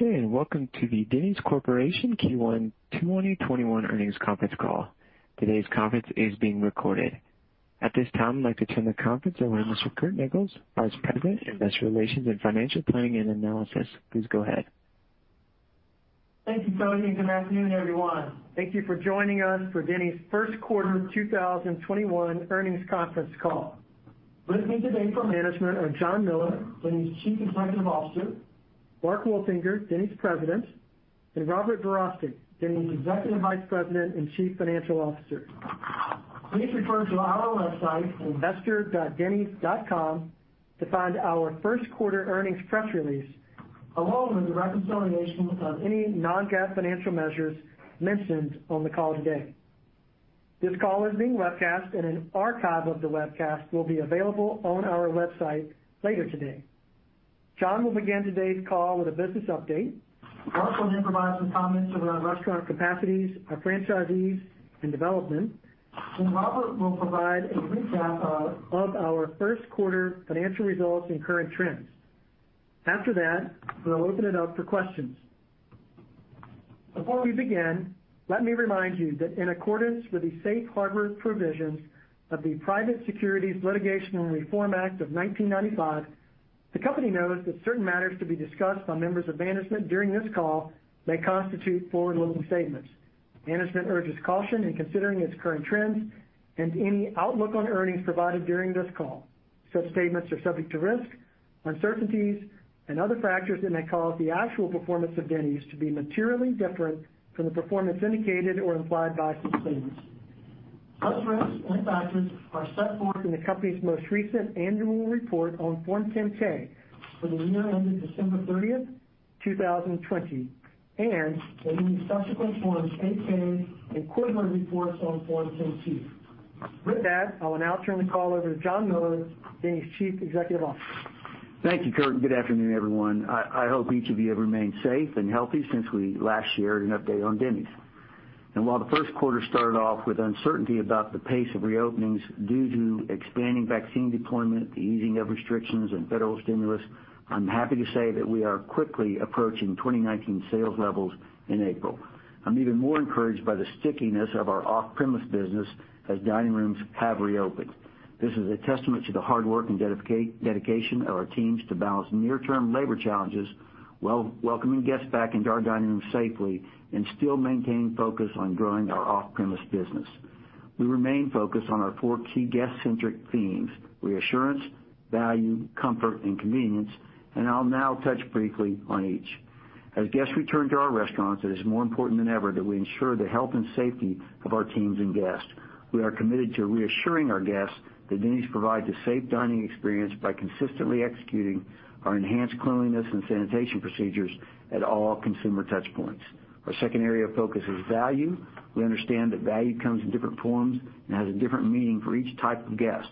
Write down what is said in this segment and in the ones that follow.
Good day, and welcome to the Denny's Corporation Q1 2021 earnings conference call. Today's conference is being recorded. At this time, I'd like to turn the conference over to Mr. Curt Nichols, Vice President, Investor Relations and Financial Planning and Analysis. Please go ahead. Thank you, Tony. Good afternoon, everyone. Thank you for joining us for Denny's first quarter 2021 earnings conference call. With me today from management are John Miller, Denny's Chief Executive Officer, Mark Wolfinger, Denny's President, and Robert Verostek, Denny's Executive Vice President and Chief Financial Officer. Please refer to our website, investor.dennys.com, to find our first quarter earnings press release, along with a reconciliation of any non-GAAP financial measures mentioned on the call today. This call is being webcast. An archive of the webcast will be available on our website later today. John will begin today's call with a business update. Mark will then provide some comments around restaurant capacities, our franchisees, and development. Robert will provide a recap of our first quarter financial results and current trends. After that, we'll open it up for questions. Before we begin, let me remind you that in accordance with the safe harbor provisions of the Private Securities Litigation Reform Act of 1995, the company notes that certain matters to be discussed by members of management during this call may constitute forward-looking statements. Management urges caution in considering its current trends and any outlook on earnings provided during this call. Such statements are subject to risk, uncertainties, and other factors that may cause the actual performance of Denny's to be materially different from the performance indicated or implied by such statements. Such risks and factors are set forth in the company's most recent annual report on Form 10-K for the year ended December 30th, 2020, and in subsequent Forms 8-K and quarterly reports on Form 10-Q. With that, I will now turn the call over to John Miller, Denny's Chief Executive Officer. Thank you, Curt, good afternoon, everyone. I hope each of you have remained safe and healthy since we last shared an update on Denny's. While the first quarter started off with uncertainty about the pace of reopenings due to expanding vaccine deployment, the easing of restrictions, and federal stimulus, I'm happy to say that we are quickly approaching 2019 sales levels in April. I'm even more encouraged by the stickiness of our off-premise business as dining rooms have reopened. This is a testament to the hard work and dedication of our teams to balance near-term labor challenges while welcoming guests back into our dining room safely and still maintaining focus on growing our off-premise business. We remain focused on our four key guest-centric themes, reassurance, value, comfort, and convenience, and I'll now touch briefly on each. As guests return to our restaurants, it is more important than ever that we ensure the health and safety of our teams and guests. We are committed to reassuring our guests that Denny's provides a safe dining experience by consistently executing our enhanced cleanliness and sanitation procedures at all consumer touchpoints. Our second area of focus is value. We understand that value comes in different forms and has a different meaning for each type of guest.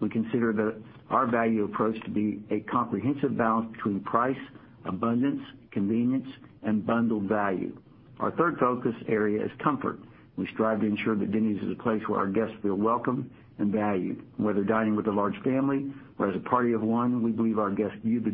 We consider our value approach to be a comprehensive balance between price, abundance, convenience, and bundled value. Our third focus area is comfort. We strive to ensure that Denny's is a place where our guests feel welcome and valued. Whether dining with a large family or as a party of one, we believe our guests view the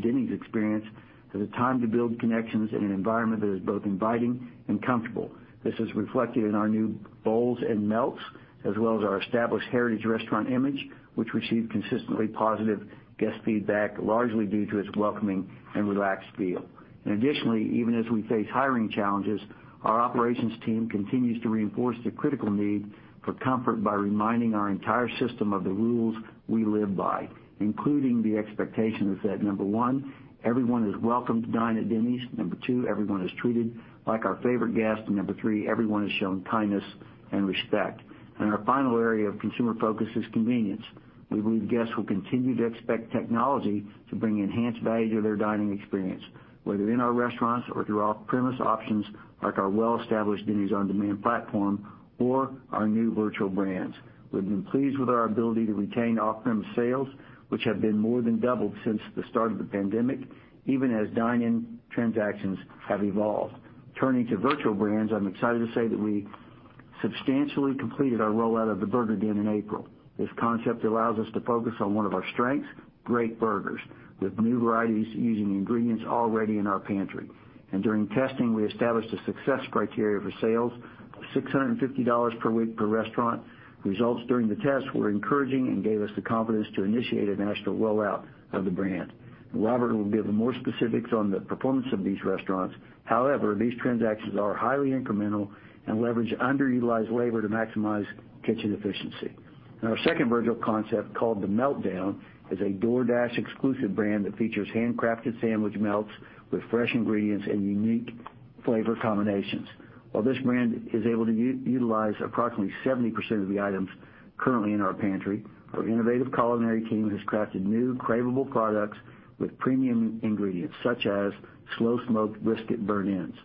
Denny's experience as a time to build connections in an environment that is both inviting and comfortable. This is reflected in our new Bowls & Melts, as well as our established Heritage restaurant image, which received consistently positive guest feedback, largely due to its welcoming and relaxed feel. Additionally, even as we face hiring challenges, our operations team continues to reinforce the critical need for comfort by reminding our entire system of the rules we live by, including the expectation that, number one, everyone is welcome to dine at Denny's. Number two, everyone is treated like our favorite guest. Number three, everyone is shown kindness and respect. Our final area of consumer focus is convenience. We believe guests will continue to expect technology to bring enhanced value to their dining experience, whether in our restaurants or through off-premise options like our well-established Denny's On Demand platform or our new virtual brands. We've been pleased with our ability to retain off-premise sales, which have more than doubled since the start of the pandemic, even as dine-in transactions have evolved. Turning to virtual brands, I'm excited to say that we substantially completed our rollout of The Burger Den in April. This concept allows us to focus on one of our strengths, great burgers, with new varieties using ingredients already in our pantry. During testing, we established a success criteria for sales of $650 per week per restaurant. Results during the test were encouraging and gave us the confidence to initiate a national rollout of the brand. Robert will give more specifics on the performance of these restaurants. However, these transactions are highly incremental and leverage underutilized labor to maximize kitchen efficiency. Our second virtual concept, called The Meltdown, is a DoorDash exclusive brand that features handcrafted sandwich melts with fresh ingredients and unique flavor combinations. While this brand is able to utilize approximately 70% of the items currently in our pantry, our innovative culinary team has crafted new craveable products with premium ingredients, such as slow-smoked brisket burnt ends.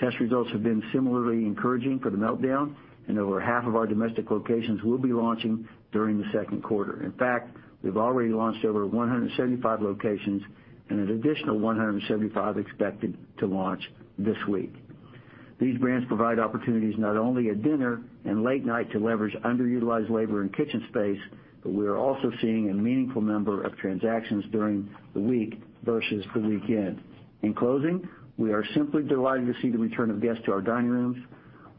Test results have been similarly encouraging for The Meltdown, and over half of our domestic locations will be launching during the second quarter. In fact, we've already launched over 175 locations, and an additional 175 are expected to launch this week. These brands provide opportunities not only at dinner and late night to leverage underutilized labor and kitchen space, but we are also seeing a meaningful number of transactions during the week versus the weekend. In closing, we are simply delighted to see the return of guests to our dining rooms.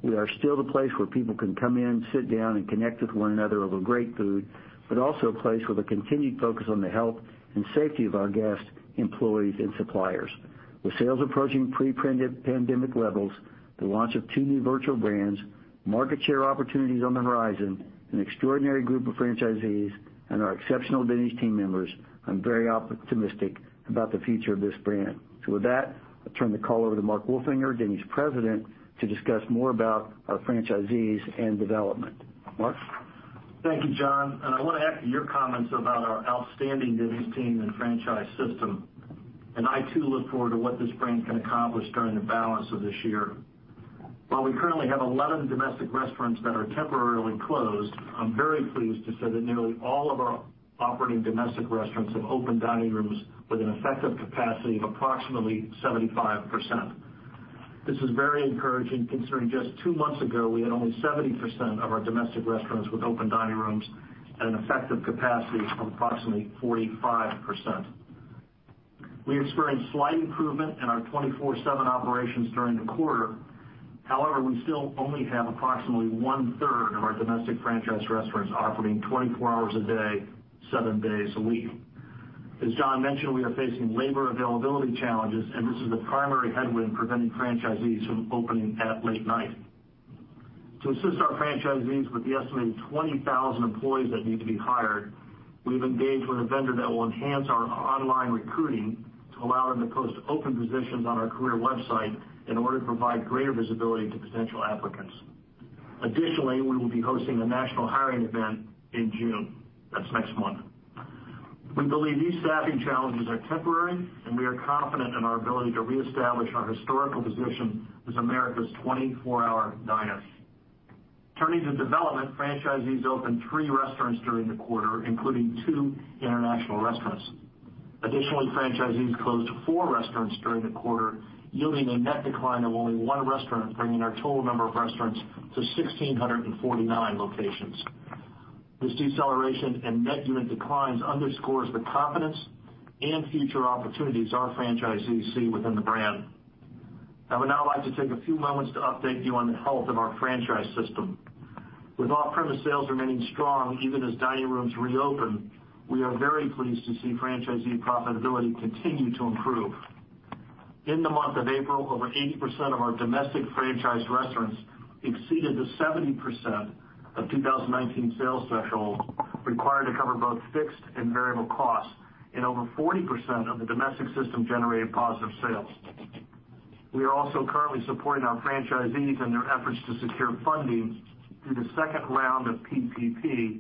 We are still the place where people can come in, sit down, and connect with one another over great food, but also a place with a continued focus on the health and safety of our guests, employees, and suppliers. With sales approaching pre-pandemic levels, the launch of two new virtual brands, market share opportunities on the horizon, an extraordinary group of franchisees, and our exceptional Denny's team members, I'm very optimistic about the future of this brand. With that, I'll turn the call over to Mark Wolfinger, Denny's President, to discuss more about our franchisees and development. Mark? Thank you, John. I want to echo your comments about our outstanding Denny's team and franchise system. I too look forward to what this brand can accomplish during the balance of this year. While we currently have 11 domestic restaurants that are temporarily closed, I'm very pleased to say that nearly all of our operating domestic restaurants have opened dining rooms with an effective capacity of approximately 75%. This is very encouraging considering just two months ago, we had only 70% of our domestic restaurants with open dining rooms at an effective capacity of approximately 45%. We experienced slight improvement in our 24/7 operations during the quarter. However, we still only have approximately 1/3 of our domestic franchise restaurants operating 24 hours a day, seven days a week. As John mentioned, we are facing labor availability challenges. This is the primary headwind preventing franchisees from opening at late night. To assist our franchisees with the estimated 20,000 employees that need to be hired, we've engaged with a vendor that will enhance our online recruiting to allow them to post open positions on our career website in order to provide greater visibility to potential applicants. Additionally, we will be hosting a national hiring event in June. That's next month. We believe these staffing challenges are temporary, and we are confident in our ability to reestablish our historical position as America's 24-hour diners. Turning to development, franchisees opened three restaurants during the quarter, including two international restaurants. Additionally, franchisees closed four restaurants during the quarter, yielding a net decline of only one restaurant, bringing our total number of restaurants to 1,649 locations. This deceleration in net unit declines underscores the confidence and future opportunities our franchisees see within the brand. I would now like to take a few moments to update you on the health of our franchise system. With off-premise sales remaining strong even as dining rooms reopen, we are very pleased to see franchisee profitability continue to improve. In the month of April, over 80% of our domestic franchised restaurants exceeded the 70% of 2019 sales threshold required to cover both fixed and variable costs, and over 40% of the domestic system generated positive sales. We are also currently supporting our franchisees in their efforts to secure funding through the second round of PPP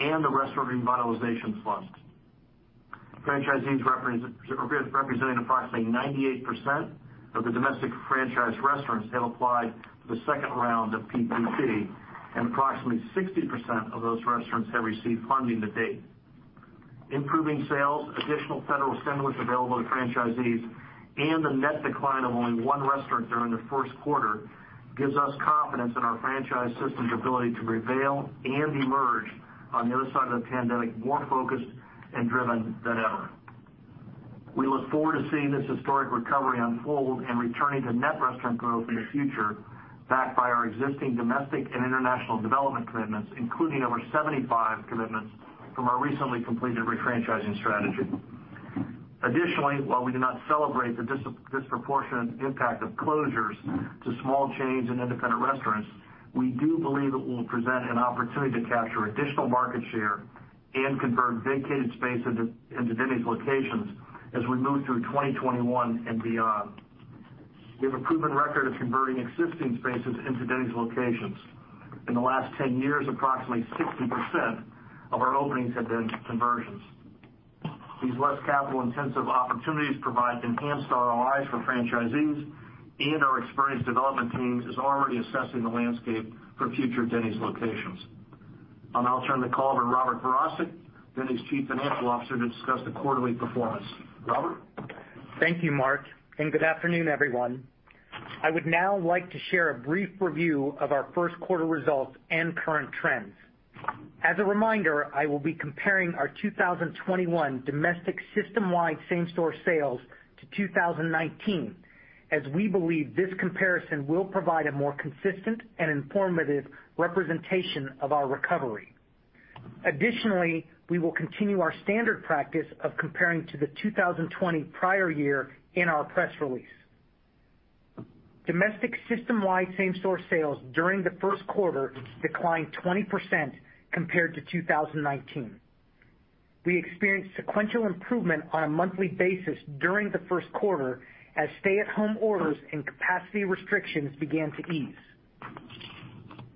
and the Restaurant Revitalization Fund. Franchisees representing approximately 98% of the domestic franchise restaurants have applied for the second round of PPP, and approximately 60% of those restaurants have received funding to date. Improving sales, additional federal stimulus available to franchisees, and the net decline of only one restaurant during the first quarter gives us confidence in our franchise system's ability to prevail and emerge on the other side of the pandemic, more focused and driven than ever. We look forward to seeing this historic recovery unfold and returning to net restaurant growth in the future, backed by our existing domestic and international development commitments, including over 75 commitments from our recently completed re-franchising strategy. Additionally, while we do not celebrate the disproportionate impact of closures to small chains and independent restaurants, we do believe it will present an opportunity to capture additional market share and convert vacated space into Denny's locations as we move through 2021 and beyond. We have a proven record of converting existing spaces into Denny's locations. In the last 10 years, approximately 60% of our openings have been conversions. These less capital-intensive opportunities provide enhanced ROIs for franchisees, and our experienced development team is already assessing the landscape for future Denny's locations. I'll now turn the call over to Robert Verostek, Denny's Chief Financial Officer, to discuss the quarterly performance. Robert? Thank you, Mark, and good afternoon, everyone. I would now like to share a brief review of our first quarter results and current trends. As a reminder, I will be comparing our 2021 domestic system-wide same-store sales to 2019, as we believe this comparison will provide a more consistent and informative representation of our recovery. Additionally, we will continue our standard practice of comparing to the 2020 prior year in our press release. Domestic system-wide same-store sales during the first quarter declined 20% compared to 2019. We experienced sequential improvement on a monthly basis during the first quarter as stay-at-home orders and capacity restrictions began to ease.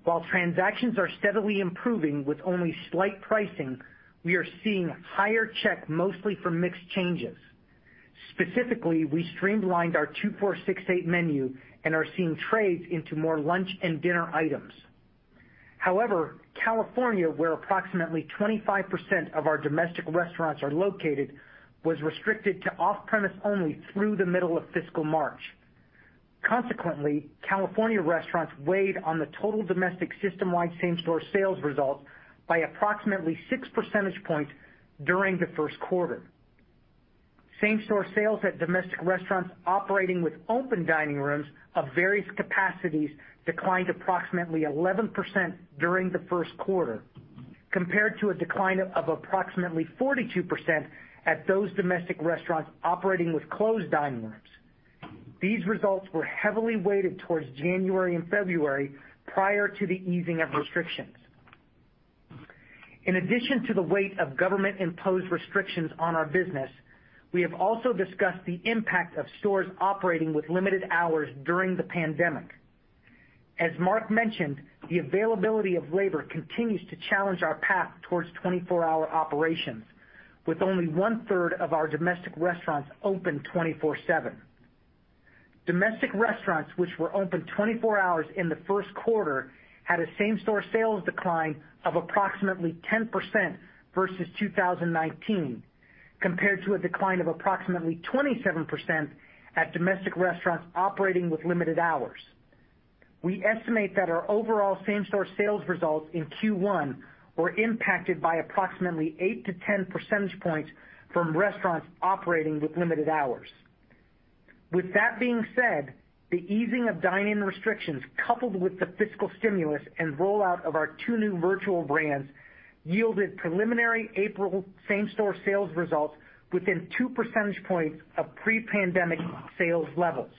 While transactions are steadily improving with only slight pricing, we are seeing higher check mostly from mix changes. Specifically, we streamlined our 2-4-6-8 menu and are seeing trades into more lunch and dinner items. However, California, where approximately 25% of our domestic restaurants are located, was restricted to off-premise only through the middle of fiscal March. Consequently, California restaurants weighed on the total domestic system-wide same-store sales results by approximately six percentage points during the first quarter. Same-store sales at domestic restaurants operating with open dining rooms of various capacities declined approximately 11% during the first quarter, compared to a decline of approximately 42% at those domestic restaurants operating with closed dining rooms. These results were heavily weighted towards January and February prior to the easing of restrictions. In addition to the weight of government-imposed restrictions on our business, we have also discussed the impact of stores operating with limited hours during the pandemic. As Mark mentioned, the availability of labor continues to challenge our path towards 24-hour operations, with only one-third of our domestic restaurants open 24/7. Domestic restaurants which were open 24 hours in the first quarter had a same-store sales decline of approximately 10% versus 2019, compared to a decline of approximately 27% at domestic restaurants operating with limited hours. We estimate that our overall same-store sales results in Q1 were impacted by approximately 8 percentage points-10 percentage points from restaurants operating with limited hours. With that being said, the easing of dine-in restrictions, coupled with the fiscal stimulus and rollout of our two new virtual brands, yielded preliminary April same-store sales results within 2 percentage points of pre-pandemic sales levels.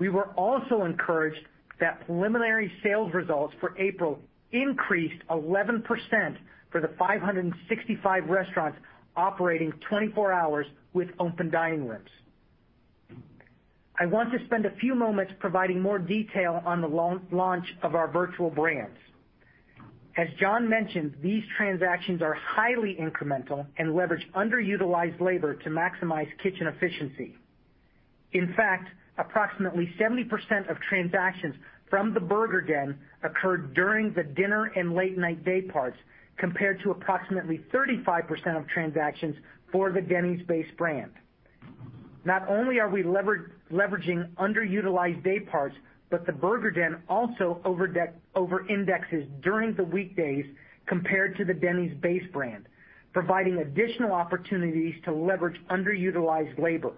We were also encouraged that preliminary sales results for April increased 11% for the 565 restaurants operating 24 hours with open dining rooms. I want to spend a few moments providing more detail on the launch of our virtual brands. As John mentioned, these transactions are highly incremental and leverage underutilized labor to maximize kitchen efficiency. In fact, approximately 70% of transactions from The Burger Den occurred during the dinner and late-night day parts, compared to approximately 35% of transactions for the Denny's base brand. Not only are we leveraging underutilized day parts, but The Burger Den also overindexes during the weekdays compared to the Denny's base brand, providing additional opportunities to leverage underutilized labor.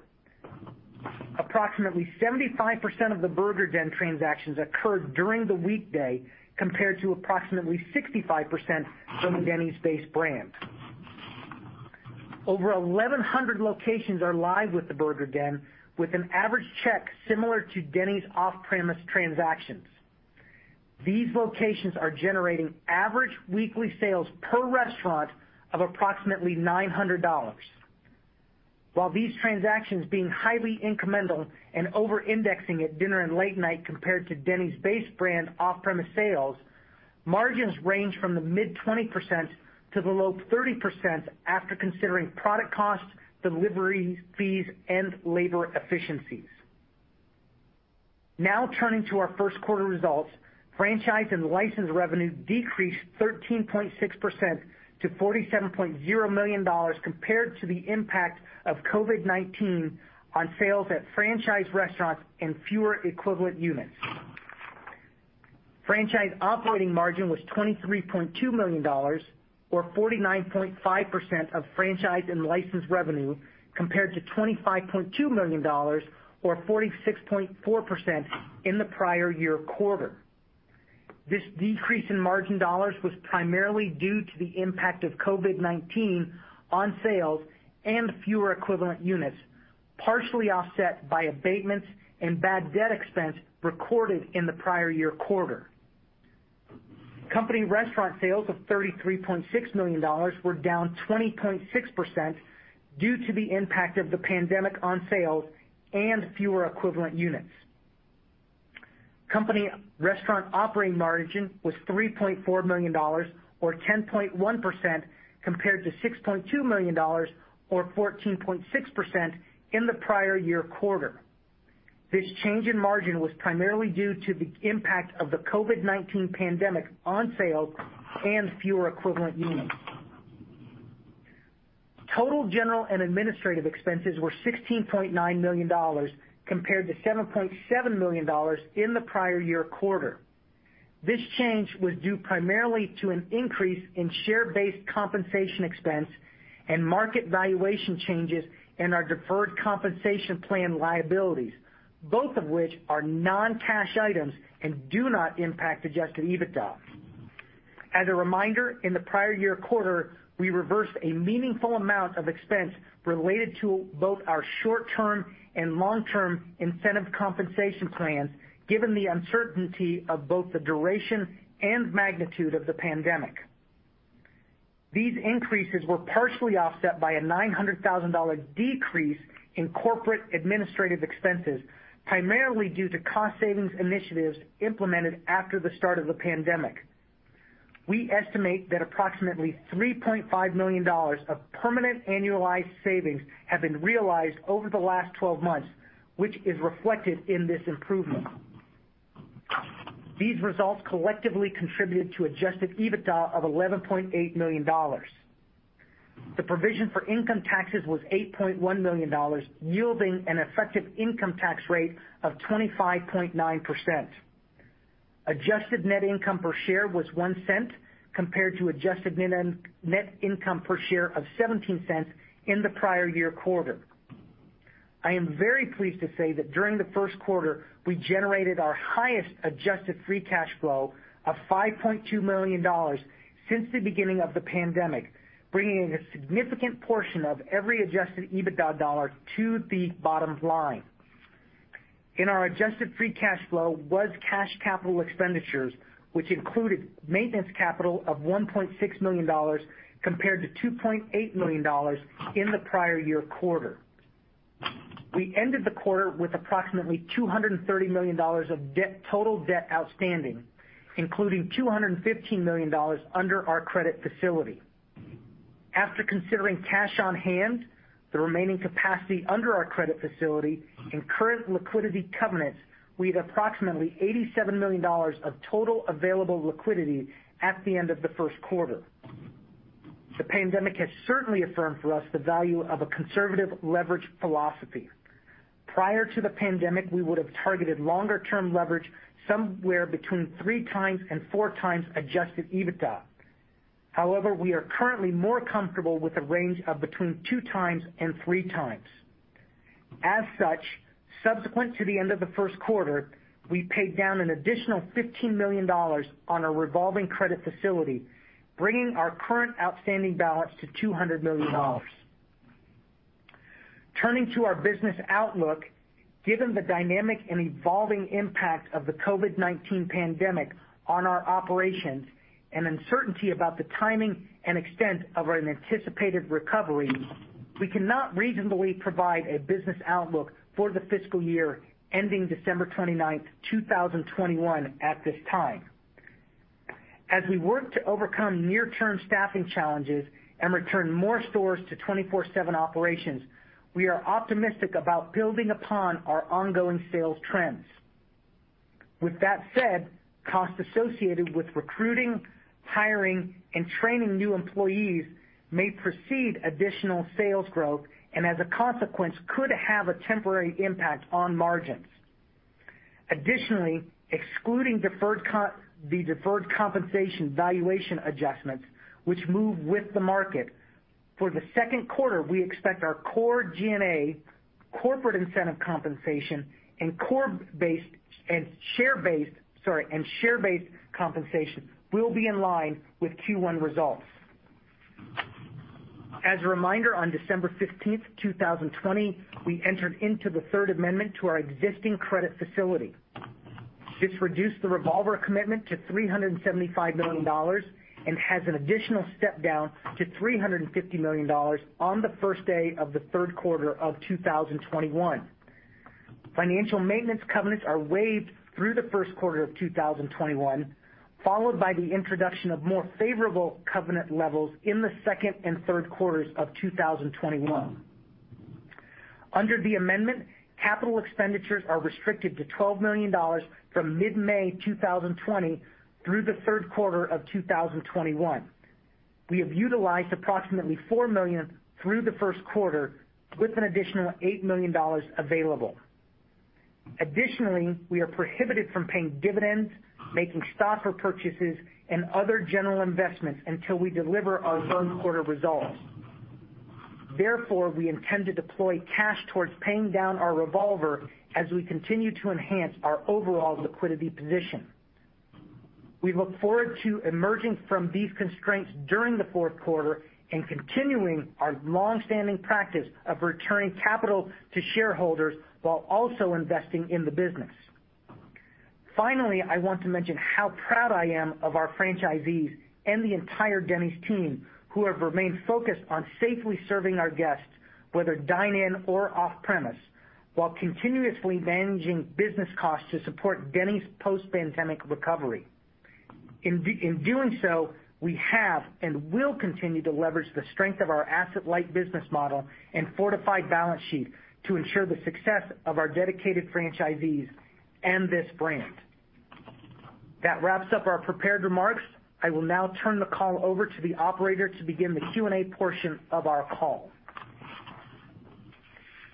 Approximately 75% of The Burger Den transactions occurred during the weekday, compared to approximately 65% from the Denny's base brand. Over 1,100 locations are live with The Burger Den, with an average check similar to Denny's off-premise transactions. These locations are generating average weekly sales per restaurant of approximately $900. While these transactions being highly incremental and overindexing at dinner and late night compared to Denny's base brand off-premise sales, margins range from the mid-20% to the low 30% after considering product costs, delivery fees, and labor efficiencies. Now turning to our first quarter results, franchise and license revenue decreased 13.6% to $47.0 million compared to the impact of COVID-19 on sales at franchise restaurants and fewer equivalent units. Franchise operating margin was $23.2 million, or 49.5% of franchise and licensed revenue, compared to $25.2 million, or 46.4%, in the prior year quarter. This decrease in margin dollars was primarily due to the impact of COVID-19 on sales and fewer equivalent units, partially offset by abatements and bad debt expense recorded in the prior year quarter. Company restaurant sales of $33.6 million were down 20.6% due to the impact of the pandemic on sales and fewer equivalent units. Company restaurant operating margin was $3.4 million, or 10.1%, compared to $6.2 million, or 14.6%, in the prior year quarter. This change in margin was primarily due to the impact of the COVID-19 pandemic on sales and fewer equivalent units. Total general and administrative expenses were $16.9 million, compared to $7.7 million in the prior year quarter. This change was due primarily to an increase in share-based compensation expense and market valuation changes in our deferred compensation plan liabilities, both of which are non-cash items and do not impact adjusted EBITDA. As a reminder, in the prior year quarter, we reversed a meaningful amount of expense related to both our short-term and long-term incentive compensation plans, given the uncertainty of both the duration and magnitude of the pandemic. These increases were partially offset by a $900,000 decrease in corporate administrative expenses, primarily due to cost savings initiatives implemented after the start of the pandemic. We estimate that approximately $3.5 million of permanent annualized savings have been realized over the last 12 months, which is reflected in this improvement. These results collectively contributed to adjusted EBITDA of $11.8 million. The provision for income taxes was $8.1 million, yielding an effective income tax rate of 25.9%. Adjusted net income per share was $0.01, compared to adjusted net income per share of $0.17 in the prior year quarter. I am very pleased to say that during the first quarter, we generated our highest adjusted free cash flow of $5.2 million since the beginning of the pandemic, bringing a significant portion of every adjusted EBITDA dollar to the bottom line. In our adjusted free cash flow was cash capital expenditures, which included maintenance capital of $1.6 million, compared to $2.8 million in the prior year quarter. We ended the quarter with approximately $230 million of total debt outstanding, including $215 million under our credit facility. After considering cash on hand, the remaining capacity under our credit facility, and current liquidity covenants, we had approximately $87 million of total available liquidity at the end of the first quarter. The pandemic has certainly affirmed for us the value of a conservative leverage philosophy. Prior to the pandemic, we would've targeted longer-term leverage somewhere between three times and four times adjusted EBITDA. However, we are currently more comfortable with a range of between 2x and 3x. As such, subsequent to the end of the first quarter, we paid down an additional $15 million on a revolving credit facility, bringing our current outstanding balance to $200 million. Turning to our business outlook, given the dynamic and evolving impact of the COVID-19 pandemic on our operations, and uncertainty about the timing and extent of an anticipated recovery, we cannot reasonably provide a business outlook for the fiscal year ending December 29th, 2021, at this time. As we work to overcome near-term staffing challenges and return more stores to 24/7 operations, we are optimistic about building upon our ongoing sales trends. With that said, costs associated with recruiting, hiring, and training new employees may precede additional sales growth and, as a consequence, could have a temporary impact on margins. Additionally, excluding the deferred compensation valuation adjustments, which move with the market, for the second quarter, we expect our core G&A, corporate incentive compensation, and share-based compensation will be in line with Q1 results. As a reminder, on December 15th, 2020, we entered into the third amendment to our existing credit facility. This reduced the revolver commitment to $375 million and has an additional step-down to $350 million on the first day of the third quarter of 2021. Financial maintenance covenants are waived through the first quarter of 2021, followed by the introduction of more favorable covenant levels in the second and third quarters of 2021. Under the amendment, capital expenditures are restricted to $12 million from mid-May 2020 through the third quarter of 2021. We have utilized approximately $4 million through the first quarter, with an additional $8 million available. We are prohibited from paying dividends, making stock repurchases, and other general investments until we deliver our third quarter results. We intend to deploy cash towards paying down our revolver as we continue to enhance our overall liquidity position. We look forward to emerging from these constraints during the fourth quarter and continuing our longstanding practice of returning capital to shareholders while also investing in the business. I want to mention how proud I am of our franchisees and the entire Denny's team, who have remained focused on safely serving our guests, whether dine-in or off-premise, while continuously managing business costs to support Denny's post-pandemic recovery. We have and will continue to leverage the strength of our asset-light business model and fortified balance sheet to ensure the success of our dedicated franchisees and this brand. That wraps up our prepared remarks. I will now turn the call over to the operator to begin the Q&A portion of our call.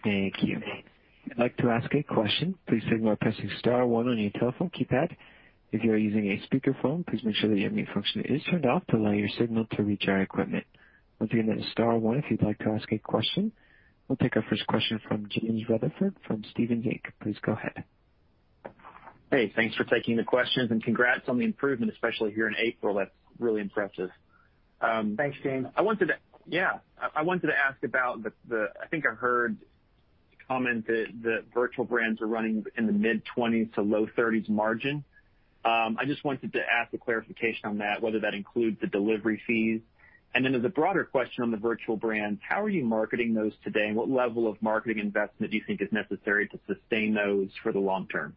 Thank you. If you'd like to ask a question, please signal by pressing star one on your telephone keypad. If you are using a speakerphone, please make sure the mute function is turned off to allow your signal to reach our equipment. Once again, that is star one if you'd like to ask a question. We'll take our first question from James Rutherford from Stephens Inc. Please go ahead. Hey, thanks for taking the questions, and congrats on the improvement, especially here in April. That's really impressive. Thanks, James. Yeah. I wanted to ask about the I think I heard a comment that virtual brands are running in the mid-20s% to low 30s% margin. I just wanted to ask for clarification on that, whether that includes the delivery fees? As a broader question on the virtual brands, how are you marketing those today? What level of marketing investment do you think is necessary to sustain those for the long term?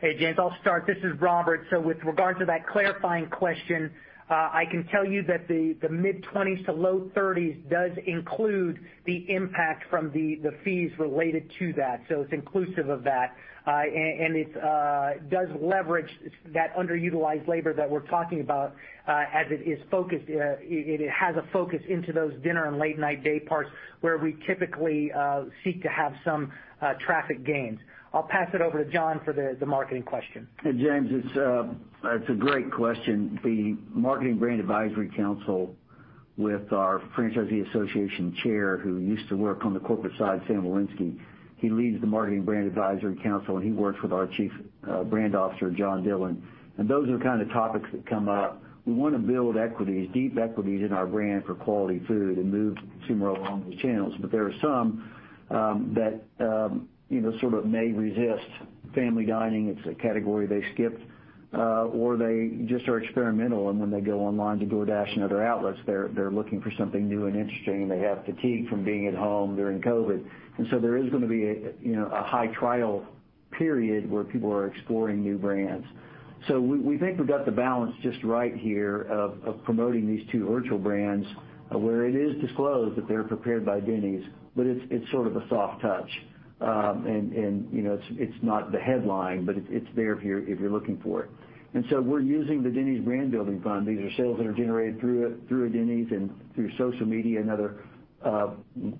Hey, James, I'll start. This is Robert. With regard to that clarifying question, I can tell you that the mid-20s% to low 30s% does include the impact from the fees related to that. It's inclusive of that. It does leverage that underutilized labor that we're talking about, as it has a focus into those dinner and late night day parts where we typically seek to have some traffic gains. I'll pass it over to John for the marketing question. Hey, James, it's a great question. The marketing brand advisory council with our franchisee association chair, who used to work on the corporate side, Sam Wilensky, he leads the Marketing Brand Advisory Council. He works with our Chief Brand Officer, John Dillon. Those are the kind of topics that come up. We want to build equities, deep equities in our brand for quality food and move consumer along the channels. There are some that sort of may resist family dining. It's a category they skip or they just are experimental, and when they go online to DoorDash and other outlets, they're looking for something new and interesting, and they have fatigue from being at home during COVID. There is going to be a high trial period where people are exploring new brands. We think we've got the balance just right here of promoting these two virtual brands, where it is disclosed that they're prepared by Denny's, but it's sort of a soft touch. It's not the headline, but it's there if you're looking for it. We're using the Denny's brand building fund. These are sales that are generated through a Denny's and through social media and other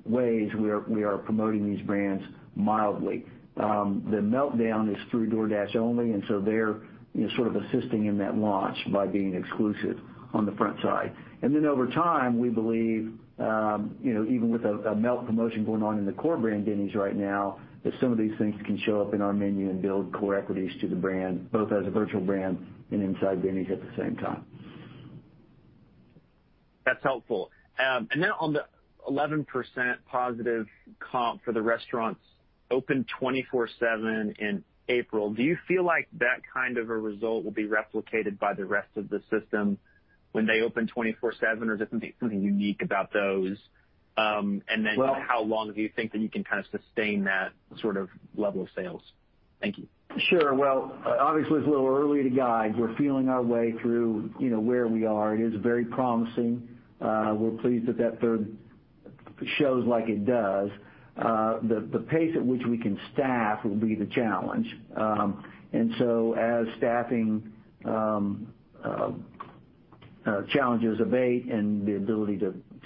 ways we are promoting these brands mildly. The Meltdown is through DoorDash only, they're sort of assisting in that launch by being exclusive on the front side. Over time, we believe even with a melt promotion going on in the core brand Denny's right now, that some of these things can show up in our menu and build core equities to the brand, both as a virtual brand and inside Denny's at the same time. That's helpful. On the 11%+ comp for the restaurants open 24/7 in April, do you feel like that kind of a result will be replicated by the rest of the system when they open 24/7? Or is it something unique about those? Well- How long do you think that you can sustain that sort of level of sales? Thank you. Sure. Well, obviously, it's a little early to guide. We're feeling our way through where we are. It is very promising. We're pleased that third shows like it does. The pace at which we can staff will be the challenge. As staffing challenges abate and the ability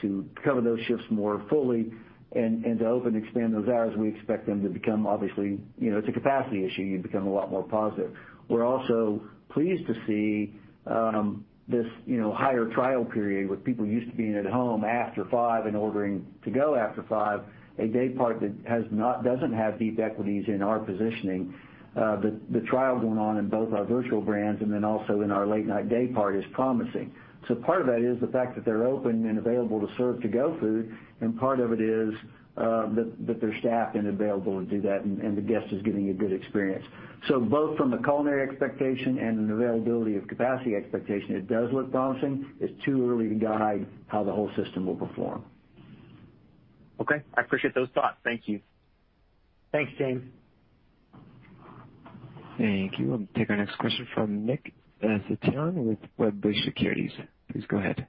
to cover those shifts more fully and to open expand those hours, we expect them to become, obviously, it's a capacity issue, you become a lot more positive. We're also pleased to see this higher trial period with people used to being at home after 5:00 and ordering to go after 5:00, a day part that doesn't have deep equities in our positioning. The trial going on in both our virtual brands and then also in our late night day part is promising. Part of that is the fact that they're open and available to serve to-go food, and part of it is that they're staffed and available to do that, and the guest is getting a good experience. Both from a culinary expectation and an availability of capacity expectation, it does look promising. It's too early to guide how the whole system will perform. Okay. I appreciate those thoughts. Thank you. Thanks, James. Thank you. I'll take our next question from Nick Setyan with Wedbush Securities. Please go ahead.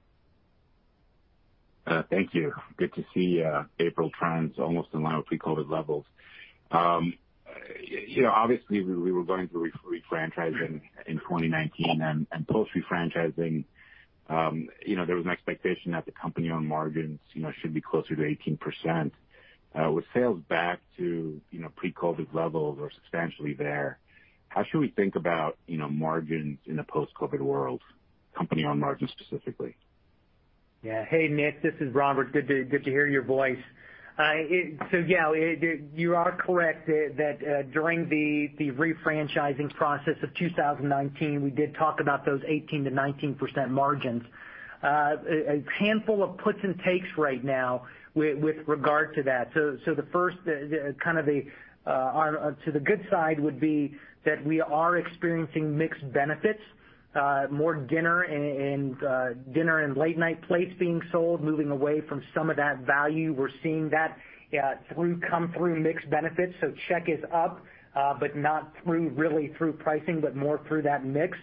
Thank you. Good to see April trends almost in line with pre-COVID levels. Obviously, we were going through refranchising in 2019. Post refranchising, there was an expectation that the company-owned margins should be closer to 18%. With sales back to pre-COVID levels or substantially there, how should we think about margins in the post-COVID world, company-owned margins specifically? Yeah. Hey, Nick, this is Robert. Good to hear your voice. Yeah, you are correct that during the refranchising process of 2019, we did talk about those 18%-19% margins. A handful of puts and takes right now with regard to that. The first to the good side would be that we are experiencing mixed benefits, more dinner and late night plates being sold, moving away from some of that value. We're seeing that come through mixed benefits. Check is up, but not really through pricing, but more through that mix.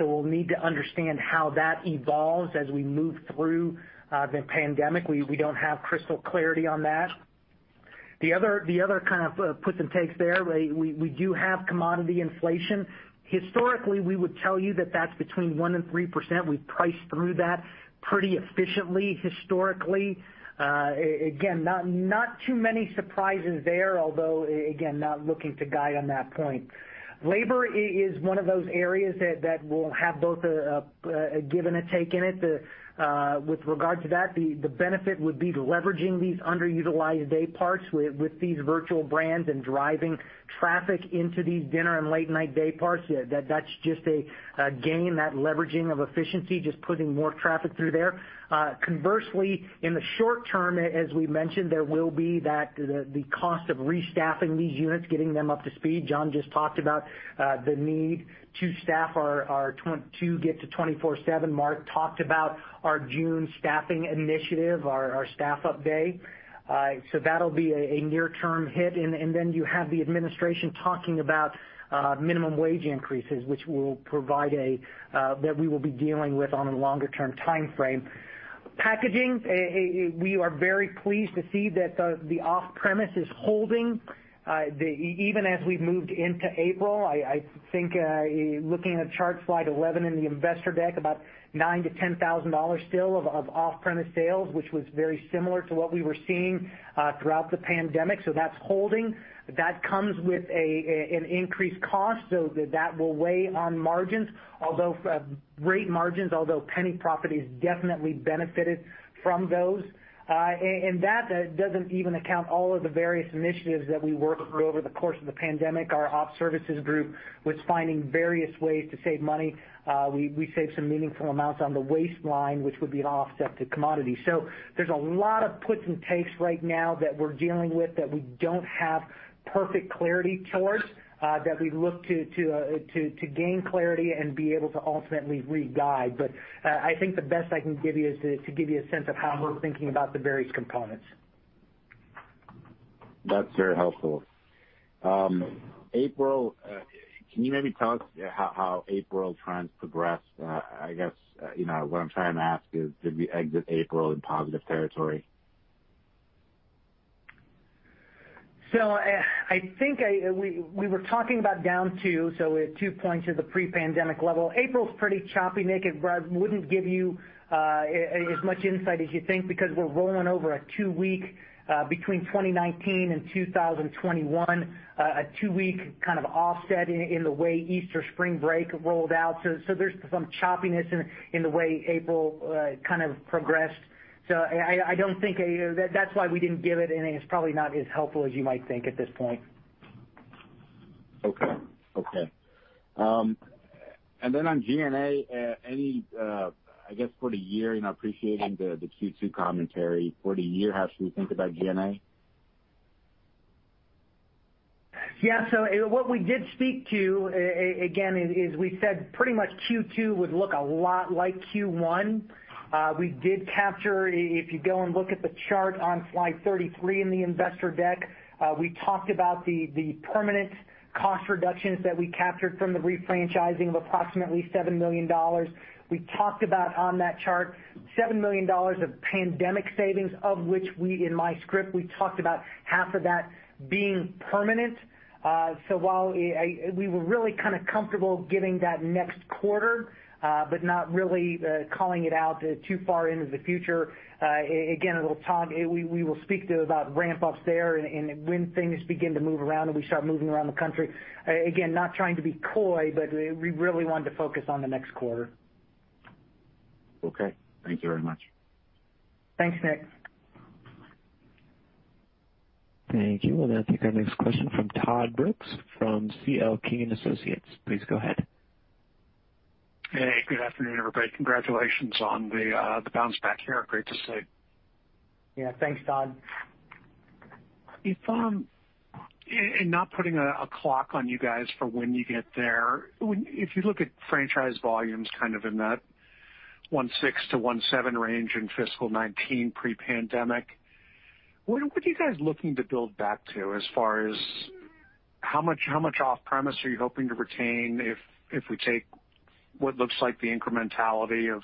We'll need to understand how that evolves as we move through the pandemic. We don't have crystal clarity on that. The other kind of puts and takes there, we do have commodity inflation. Historically, we would tell you that that's between 1% and 3%. We've priced through that pretty efficiently historically. Again, not too many surprises there, although, again, not looking to guide on that point. Labor is one of those areas that will have both a give and a take in it. With regard to that, the benefit would be leveraging these underutilized day parts with these virtual brands and driving traffic into these dinner and late night day parts. That's just a gain, that leveraging of efficiency, just putting more traffic through there. Conversely, in the short term, as we mentioned, there will be the cost of restaffing these units, getting them up to speed. John just talked about the need to staff to get to 24/7. Mark talked about our June staffing initiative, our staff up day. That'll be a near term hit. You have the administration talking about minimum wage increases, that we will be dealing with on a longer term timeframe. Packaging, we are very pleased to see that the off-premise is holding, even as we've moved into April. Looking at chart slide 11 in the investor deck, about $9,000-$10,000 still of off-premise sales, which was very similar to what we were seeing throughout the pandemic. That's holding. That comes with an increased cost. That will weigh on margins. Great margins, although penny profit has definitely benefited from those. That doesn't even account all of the various initiatives that we worked through over the course of the pandemic. Our op services group was finding various ways to save money. We saved some meaningful amounts on the waste line, which would be an offset to commodity. There's a lot of puts and takes right now that we're dealing with that we don't have perfect clarity towards, that we look to gain clarity and be able to ultimately re-guide. I think the best I can give you is to give you a sense of how we're thinking about the various components. That's very helpful. Can you maybe tell us how April trends progressed? I guess what I'm trying to ask is, did we exit April in positive territory? I think we were talking about down two, so we're two points at the pre-pandemic level. April's pretty choppy, Nick. Brad wouldn't give you as much insight as you think because we're rolling over a two-week between 2019 and 2021, a two-week kind of offset in the way Easter spring break rolled out. There's some choppiness in the way April kind of progressed. That's why we didn't give it, and it's probably not as helpful as you might think at this point. Okay. On G&A, I guess for the year, and I appreciate the Q2 commentary, for the year, how should we think about G&A? What we did speak to, again, is we said pretty much Q2 would look a lot like Q1. We did capture, if you go and look at the chart on slide 33 in the investor deck, we talked about the permanent cost reductions that we captured from the refranchising of approximately $7 million. We talked about on that chart $7 million of pandemic savings, of which, in my script, we talked about half of that being permanent. While we were really kind of comfortable giving that next quarter, not really calling it out too far into the future. Again, we will speak to about ramp ups there and when things begin to move around and we start moving around the country. Again, not trying to be coy, we really wanted to focus on the next quarter. Okay. Thank you very much. Thanks, Nick. Thank you. We'll now take our next question from Todd Brooks from C.L. King & Associates. Please go ahead. Hey, good afternoon, everybody. Congratulations on the bounce back here. Great to see. Yeah. Thanks, Todd. Not putting a clock on you guys for when you get there. You look at franchise volumes kind of in that 1.6-1.7 range in fiscal 2019 pre-pandemic, what are you guys looking to build back to as far as how much off-premise are you hoping to retain if we take what looks like the incrementality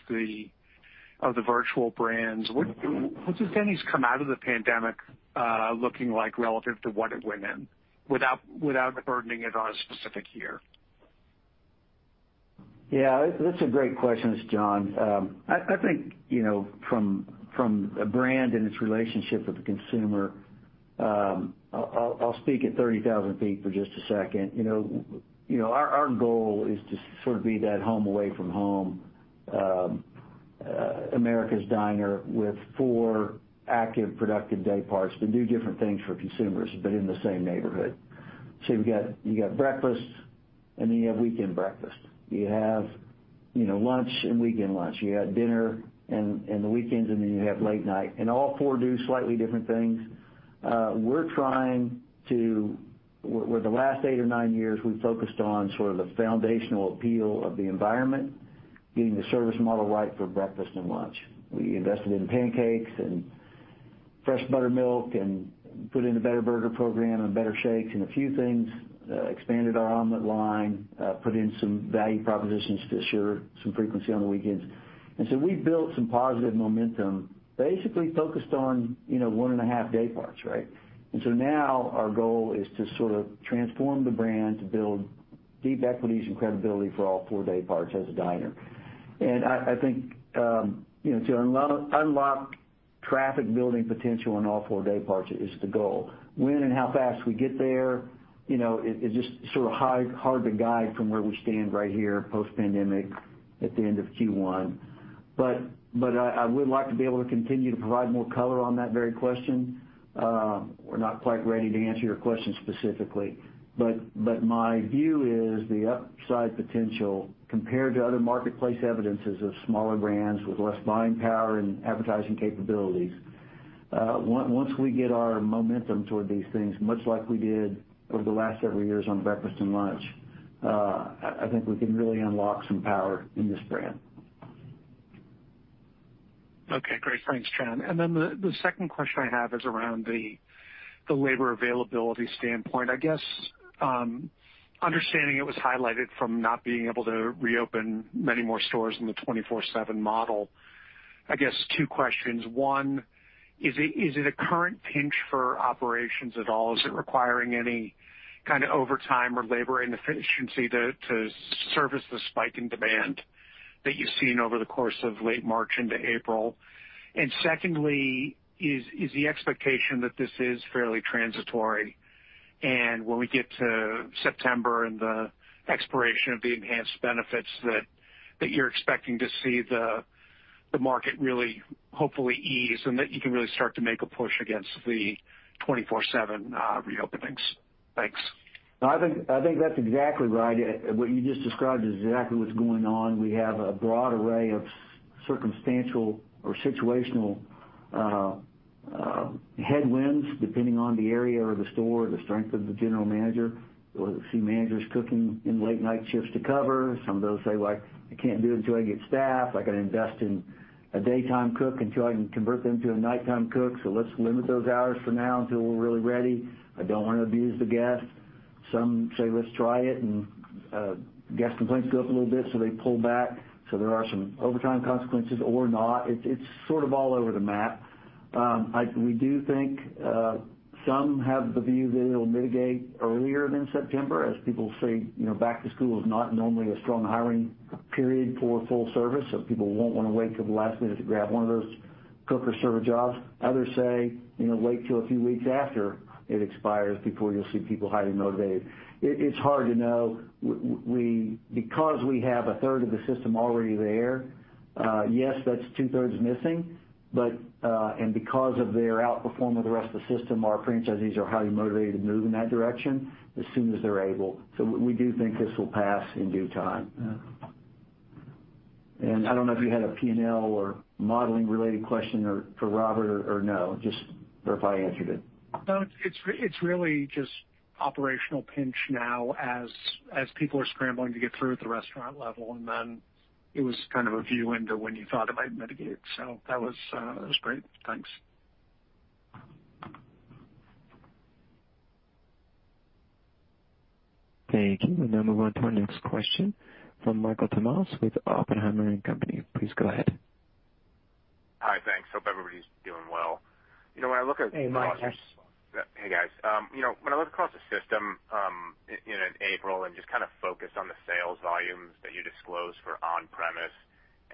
of the virtual brands? What does Denny's come out of the pandemic looking like relative to what it went in? Without burdening it on a specific year. Yeah, that's a great question. It's John. I think from a brand and its relationship with the consumer, I'll speak at 30,000 ft for just a second. Our goal is to sort of be that home away from home, America's diner with four active, productive day parts to do different things for consumers, but in the same neighborhood. You got breakfast, and then you have weekend breakfast. You have lunch and weekend lunch. You got dinner and the weekends, and then you have late night. All four do slightly different things. Where the last eight or nine years, we focused on sort of the foundational appeal of the environment, getting the service model right for breakfast and lunch. We invested in pancakes and fresh buttermilk and put in a better burger program and better shakes and a few things, expanded our omelet line, put in some value propositions to assure some frequency on the weekends. So we built some positive momentum, basically focused on one and a half day parts, right? So now our goal is to sort of transform the brand to build deep equities and credibility for all four day parts as a diner. I think to unlock traffic building potential on all four day parts is the goal. When and how fast we get there, it's just sort of hard to guide from where we stand right here post-pandemic at the end of Q1. I would like to be able to continue to provide more color on that very question. We're not quite ready to answer your question specifically, but my view is the upside potential compared to other marketplace evidences of smaller brands with less buying power and advertising capabilities. Once we get our momentum toward these things, much like we did over the last several years on breakfast and lunch, I think we can really unlock some power in this brand. Okay, great. Thanks, John. The second question I have is around the labor availability standpoint. Understanding it was highlighted from not being able to reopen many more stores in the 24/7 model. Two questions. One, is it a current pinch for operations at all? Is it requiring any kind of overtime or labor inefficiency to service the spike in demand that you've seen over the course of late March into April? Secondly, is the expectation that this is fairly transitory, and when we get to September and the expiration of the enhanced benefits that you're expecting to see the market really, hopefully ease, and that you can really start to make a push against the 24/7 reopenings? Thanks. No, I think that's exactly right. What you just described is exactly what's going on. We have a broad array of circumstantial or situational headwinds depending on the area or the store, the strength of the general manager, or the C managers cooking in late night shifts to cover. Some of those say, "Well, I can't do it until I get staff. I got to invest in a daytime cook until I can convert them to a nighttime cook, so let's limit those hours for now until we're really ready. I don't want to abuse the guest." Some say, "Let's try it," and guest complaints go up a little bit, so they pull back. There are some overtime consequences or not. It's sort of all over the map. We do think some have the view that it'll mitigate earlier than September, as people say back to school is not normally a strong hiring period for full service. People won't want to wait till the last minute to grab one of those cook or server jobs. Others say wait till a few weeks after it expires before you'll see people highly motivated. It's hard to know. We have a third of the system already there, yes, that's 2/3 missing, and because of their outperforming the rest of the system, our franchisees are highly motivated to move in that direction as soon as they're able. We do think this will pass in due time. I don't know if you had a P&L or modeling related question for Robert or no, just verify I answered it. No, it's really just operational pinch now as people are scrambling to get through at the restaurant level. It was kind of a view into when you thought it might mitigate. That was great. Thanks. Thank you. We now move on to our next question from Michael Tamas with Oppenheimer & Company. Please go ahead. Hi, thanks. Hope everybody's doing well. Hey, Michael. Hey, guys. When I look across the system in April and just kind of focus on the sales volumes that you disclose for on-premise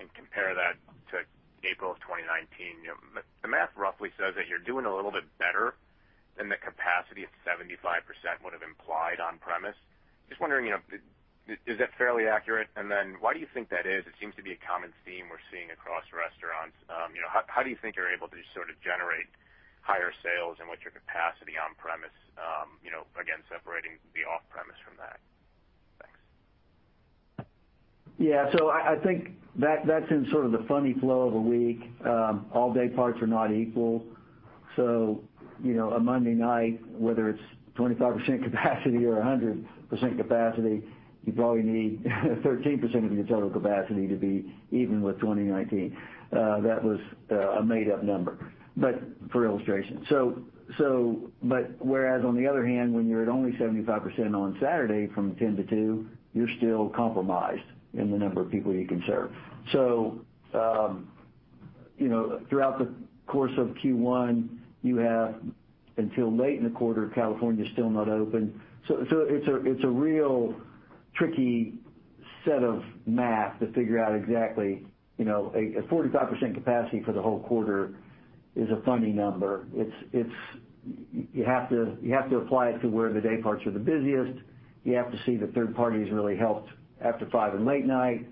and compare that to April of 2019, the math roughly says that you're doing a little bit better than the capacity at 75% would have implied on-premise. Just wondering, is that fairly accurate? Why do you think that is? It seems to be a common theme we're seeing across restaurants. How do you think you're able to sort of generate higher sales and what's your capacity on premise, again, separating the off premise from that? Thanks. Yeah. I think that's in sort of the funny flow of a week. All day parts are not equal. A Monday night, whether it's 25% capacity or 100% capacity, you probably need 13% of your total capacity to be even with 2019. That was a made-up number, but for illustration. Whereas on the other hand, when you're at only 75% on Saturday from 10-2, you're still compromised in the number of people you can serve. Throughout the course of Q1, you have until late in the quarter, California still not open. It's a real tricky set of math to figure out exactly. A 45% capacity for the whole quarter is a funny number. You have to apply it to where the day parts are the busiest, you have to see the third parties really helped after five and late night,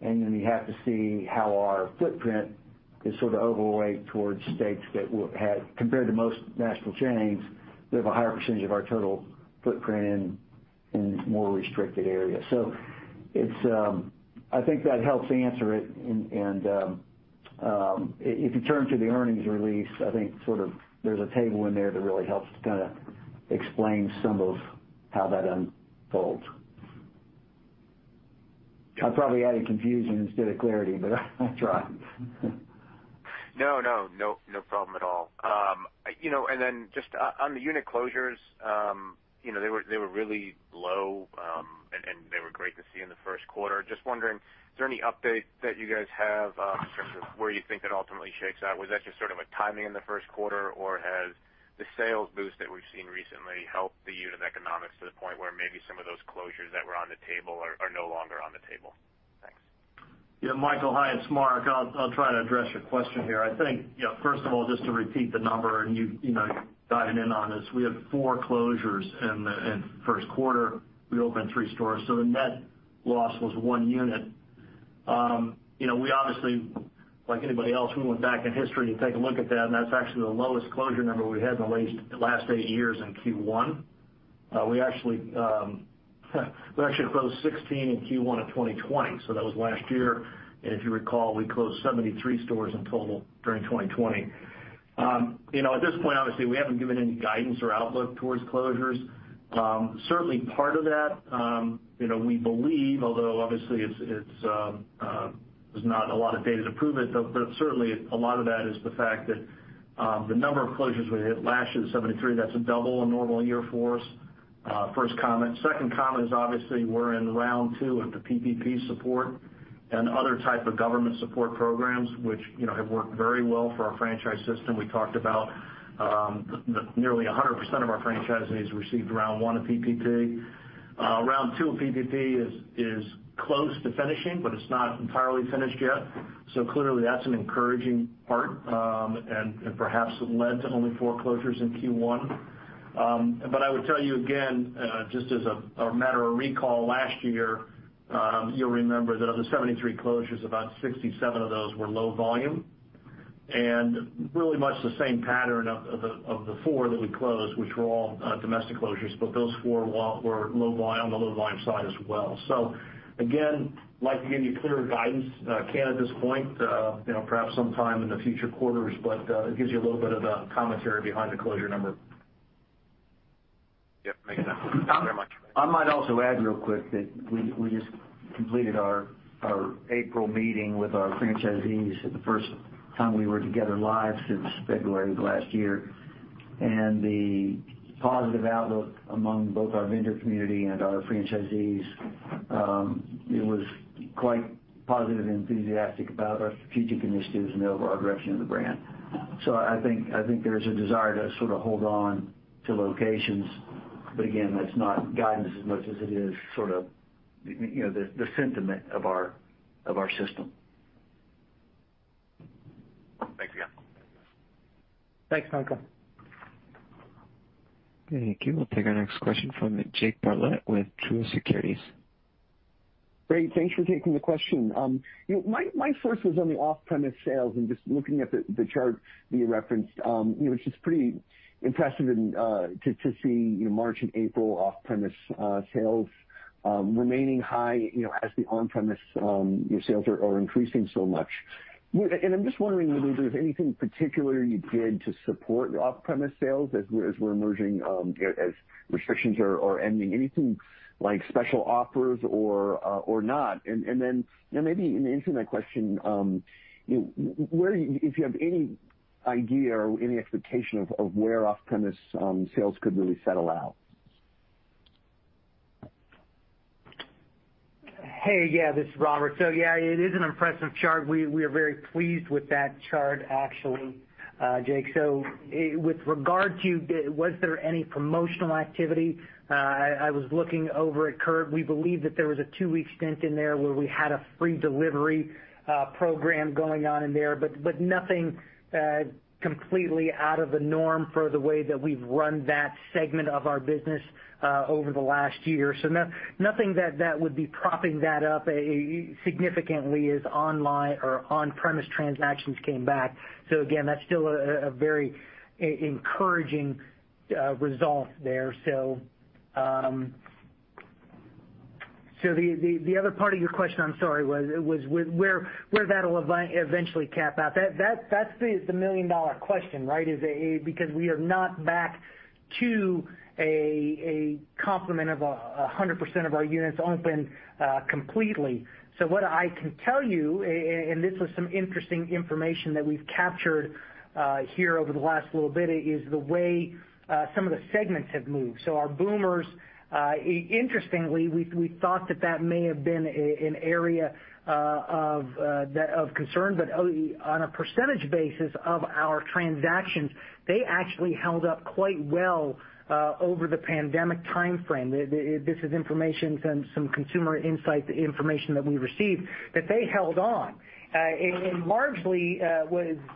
and then you have to see how our footprint is sort of overweight towards states that compared to most national chains, we have a higher percentage of our total footprint in more restricted areas. I think that helps answer it. If you turn to the earnings release, I think there's a table in there that really helps to explain some of how that unfolds. I probably added confusion instead of clarity, but I tried. No, no problem at all. Just on the unit closures, they were really low, and they were great to see in the first quarter. Just wondering, is there any update that you guys have in terms of where you think that ultimately shakes out? Was that just sort of a timing in the first quarter, or has the sales boost that we've seen recently helped the unit economics to the point where maybe some of those closures that were on the table are no longer on the table? Thanks. Yeah, Michael. Hi, it's Mark. I'll try to address your question here. I think, first of all, just to repeat the number, and you've dived in on this. We had four closures in first quarter. We opened three stores. The net loss was one unit. We obviously, like anybody else, we went back in history to take a look at that, and that's actually the lowest closure number we've had in the last eight years in Q1. We actually closed 16 in Q1 of 2020, that was last year. If you recall, we closed 73 stores in total during 2020. At this point, obviously, we haven't given any guidance or outlook towards closures. Certainly part of that, we believe, although obviously there's not a lot of data to prove it, but certainly a lot of that is the fact that the number of closures when it reaches 73, that's double a normal year for us. First comment. Second comment is obviously we're in round two of the PPP support and other type of government support programs, which have worked very well for our franchise system. We talked about nearly 100% of our franchisees received round one of PPP. Round two of PPP is close to finishing, it's not entirely finished yet. Clearly, that's an encouraging part, and perhaps it led to only four closures in Q1. I would tell you again, just as a matter of recall, last year, you'll remember that of the 73 closures, about 67 of those were low volume, and really much the same pattern of the four that we closed, which were all domestic closures, but those four were on the low volume side as well. Again, like to give you clearer guidance, can't at this point, perhaps sometime in the future quarters, but it gives you a little bit of a commentary behind the closure number. Yep, makes sense. Thank you very much. I might also add real quick that we just completed our April meeting with our franchisees, the first time we were together live since February of last year. The positive outlook among both our vendor community and our franchisees, it was quite positive and enthusiastic about our strategic initiatives and the overall direction of the brand. I think there's a desire to sort of hold on to locations. Again, that's not guidance as much as it is the sentiment of our system. Thanks again. Thanks, Michael. Thank you. We'll take our next question from Jake Bartlett with Truist Securities. Great. Thanks for taking the question. My first was on the off-premise sales and just looking at the chart that you referenced which is pretty impressive to see March and April off-premise sales remaining high as the on-premise sales are increasing so much. I'm just wondering whether there's anything particular you did to support off-premise sales as we're emerging, as restrictions are ending. Anything like special offers or not? Then maybe in answering that question, if you have any idea or any expectation of where off-premise sales could really settle out. Hey, yeah, this is Robert. Yeah, it is an impressive chart. We are very pleased with that chart, actually, Jake. With regard to was there any promotional activity, I was looking over at Curt. We believe that there was a two-week stint in there where we had a free delivery program going on in there, but nothing completely out of the norm for the way that we've run that segment of our business over the last year. Nothing that would be propping that up significantly as online or on-premise transactions came back. Again, that's still a very encouraging result there. The other part of your question, I'm sorry, was where that'll eventually cap out. That's the million-dollar question, right? Because we are not back to a complement of 100% of our units open completely. What I can tell you, and this was some interesting information that we've captured here over the last little bit, is the way some of the segments have moved. Our Boomers, interestingly, we thought that that may have been an area of concern, but on a percentage basis of our transactions, they actually held up quite well over the pandemic timeframe. This is information from some consumer insight information that we received that they held on. Largely,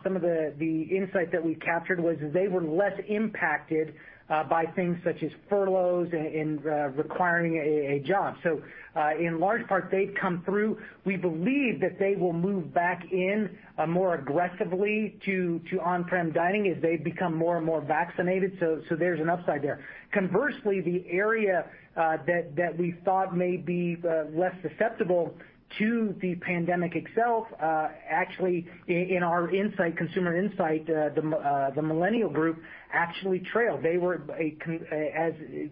some of the insight that we captured was that they were less impacted by things such as furloughs and requiring a job. In large part, they've come through. We believe that they will move back in more aggressively to on-prem dining as they become more and more vaccinated. There's an upside there. Conversely, the area that we thought may be less susceptible to the pandemic itself, actually in our consumer insight, the Millennial group actually trailed.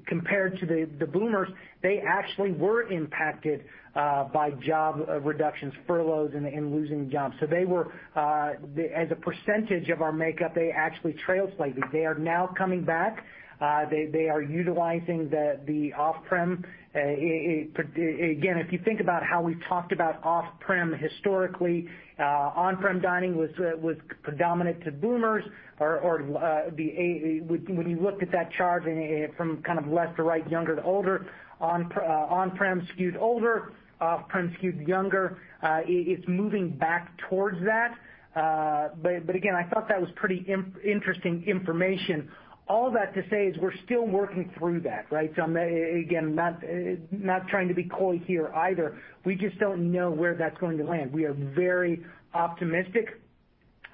Compared to the Boomers, they actually were impacted by job reductions, furloughs, and losing jobs. As a percentage of our makeup, they actually trailed slightly. They are now coming back. They are utilizing the off-prem. Again, if you think about how we've talked about off-prem historically, on-prem dining was predominant to Boomers, or when you looked at that chart from left to right, younger to older, on-prem skewed older, off-prem skewed younger. It's moving back towards that. Again, I thought that was pretty interesting information. All that to say is we're still working through that, right? Again, not trying to be coy here either. We just don't know where that's going to land. We are very optimistic.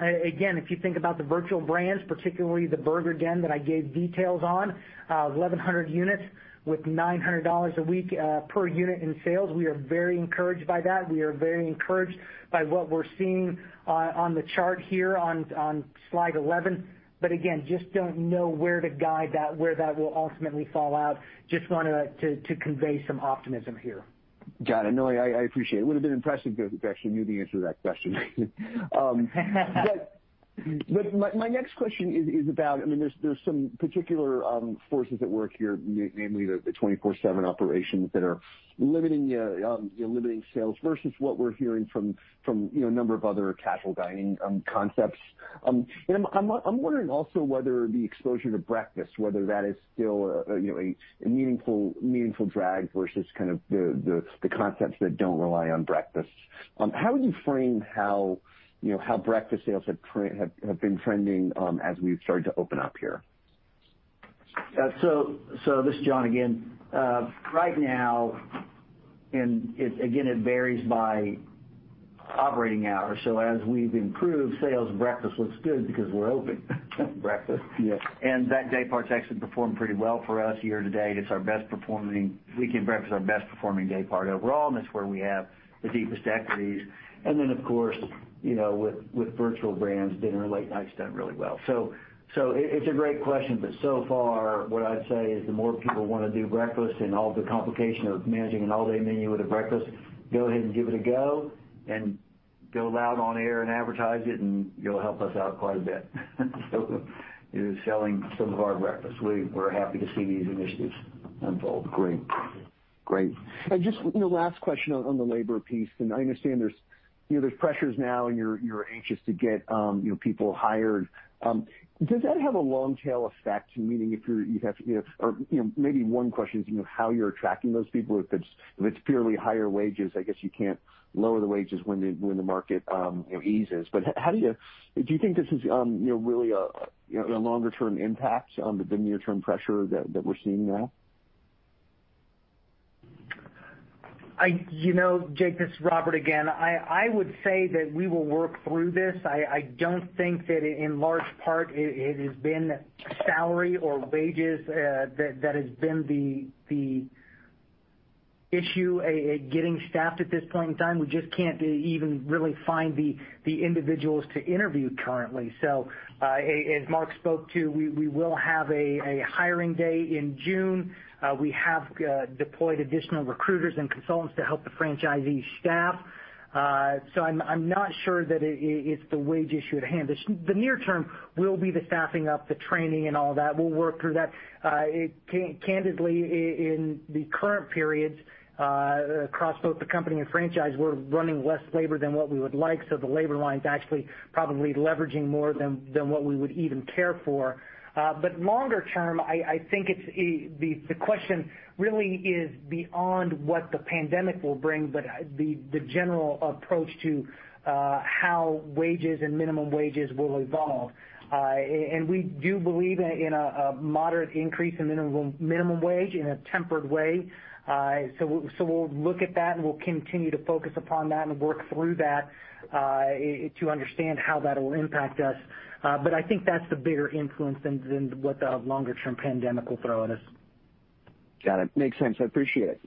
If you think about the virtual brands, particularly The Burger Den that I gave details on, 1,100 units with $900 a week per unit in sales. We are very encouraged by that. We are very encouraged by what we're seeing on the chart here on Slide 11. Again, just don't know where to guide that, where that will ultimately fall out. Just wanted to convey some optimism here. Got it. No, I appreciate it. It would've been impressive if I actually knew the answer to that question. My next question is about, there's some particular forces at work here, namely the 24/7 operations that are limiting sales versus what we're hearing from a number of other casual dining concepts. I'm wondering also whether the exposure to breakfast, whether that is still a meaningful drag versus the concepts that don't rely on breakfast. How would you frame how breakfast sales have been trending as we've started to open up here? This is John again. Right now, and again, it varies by operating hours. As we've improved sales, breakfast looks good because we're open for breakfast. Yeah. That daypart's actually performed pretty well for us year to date. Weekend breakfast is our best performing daypart overall, and that's where we have the deepest equities. Then, of course, with virtual brands, dinner and late night's done really well. It's a great question, but so far what I'd say is the more people want to do breakfast and all the complication of managing an all-day menu with a breakfast, go ahead and give it a go, and go loud on air and advertise it, and you'll help us out quite a bit in selling some of our breakfast. We're happy to see these initiatives unfold. Great. Just last question on the labor piece, and I understand there's pressures now, and you're anxious to get people hired. Does that have a long tail effect, meaning one question is how you're attracting those people. If it's purely higher wages, I guess you can't lower the wages when the market eases. Do you think this is really a longer-term impact the near-term pressure that we're seeing now? Jake, this is Robert again. I would say that we will work through this. I don't think that in large part it has been salary or wages that has been the issue getting staffed at this point in time. We just can't even really find the individuals to interview currently. As Mark spoke to, we will have a hiring day in June. We have deployed additional recruiters and consultants to help the franchisees staff. I'm not sure that it's the wage issue at hand. The near term will be the staffing up, the training, and all that. We'll work through that. Candidly, in the current periods, across both the company and franchise, we're running less labor than what we would like, so the labor line's actually probably leveraging more than what we would even care for. Longer term, I think the question really is beyond what the pandemic will bring, but the general approach to how wages and minimum wages will evolve. We do believe in a moderate increase in minimum wage in a tempered way. We'll look at that, and we'll continue to focus upon that and work through that to understand how that'll impact us. I think that's the bigger influence than what the longer-term pandemic will throw at us. Got it. Makes sense. I appreciate it.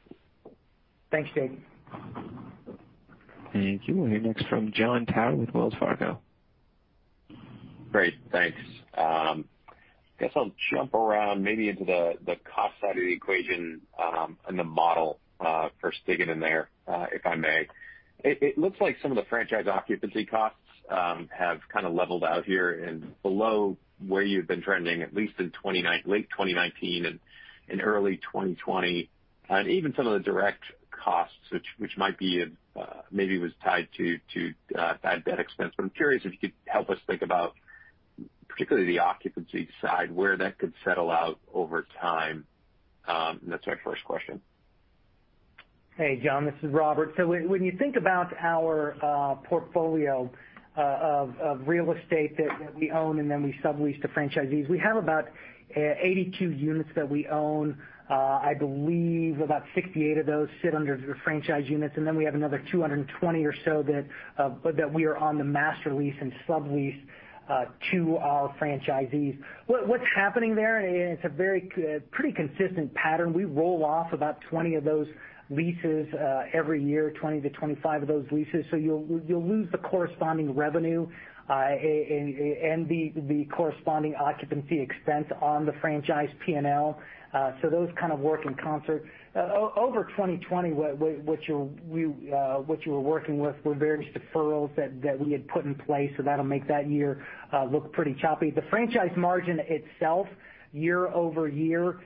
Thanks, Jake. Thank you. We'll hear next from Jon Tower with Wells Fargo. Great. Thanks. Guess I'll jump around maybe into the cost side of the equation, and the model for sticking in there, if I may. It looks like some of the franchise occupancy costs have kind of leveled out here and below where you've been trending, at least in late 2019 and in early 2020, and even some of the direct costs, which maybe was tied to bad debt expense. I'm curious if you could help us think about, particularly the occupancy side, where that could settle out over time. That's my first question. Hey, Jon, this is Robert. When you think about our portfolio of real estate that we own and then we sublease to franchisees, we have about 82 units that we own. I believe about 68 of those sit under the franchise units, and then we have another 220 or so that we are on the master lease and sublease to our franchisees. What's happening there, it's a pretty consistent pattern. We roll off about 20 of those leases every year, 20-25 of those leases. You'll lose the corresponding revenue, and the corresponding occupancy expense on the franchise P&L. Those kind of work in concert. Over 2020, what you were working with were various deferrals that we had put in place. That'll make that year look pretty choppy. The franchise margin itself year-over-year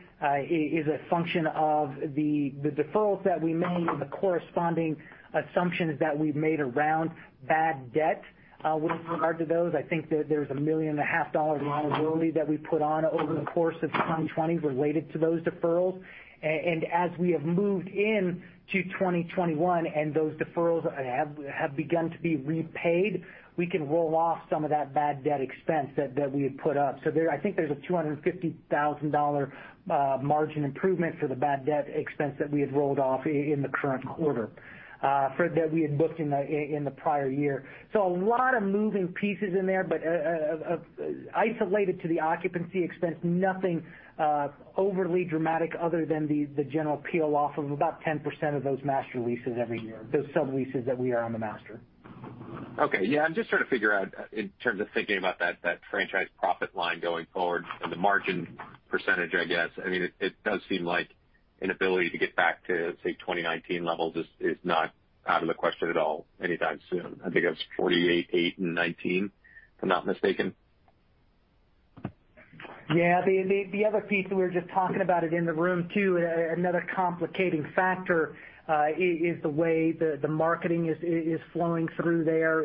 is a function of the deferrals that we made and the corresponding assumptions that we've made around bad debt with regard to those. I think that there's a $1.5 million of liability that we put on over the course of 2020 related to those deferrals. As we have moved into 2021, and those deferrals have begun to be repaid, we can roll off some of that bad debt expense that we had put up. I think there's a $250,000 margin improvement for the bad debt expense that we had rolled off in the current quarter that we had booked in the prior year. A lot of moving pieces in there, but isolated to the occupancy expense, nothing overly dramatic other than the general peel off of about 10% of those master leases every year, those subleases that we are on the master. Okay. Yeah, I'm just trying to figure out in terms of thinking about that franchise profit line going forward and the margin percentage, I guess. It does seem like an ability to get back to, say, 2019 levels is not out of the question at all anytime soon. I think it was 48.8% in 2019, if I'm not mistaken. The other piece, and we were just talking about it in the room, too, another complicating factor is the way the marketing is flowing through there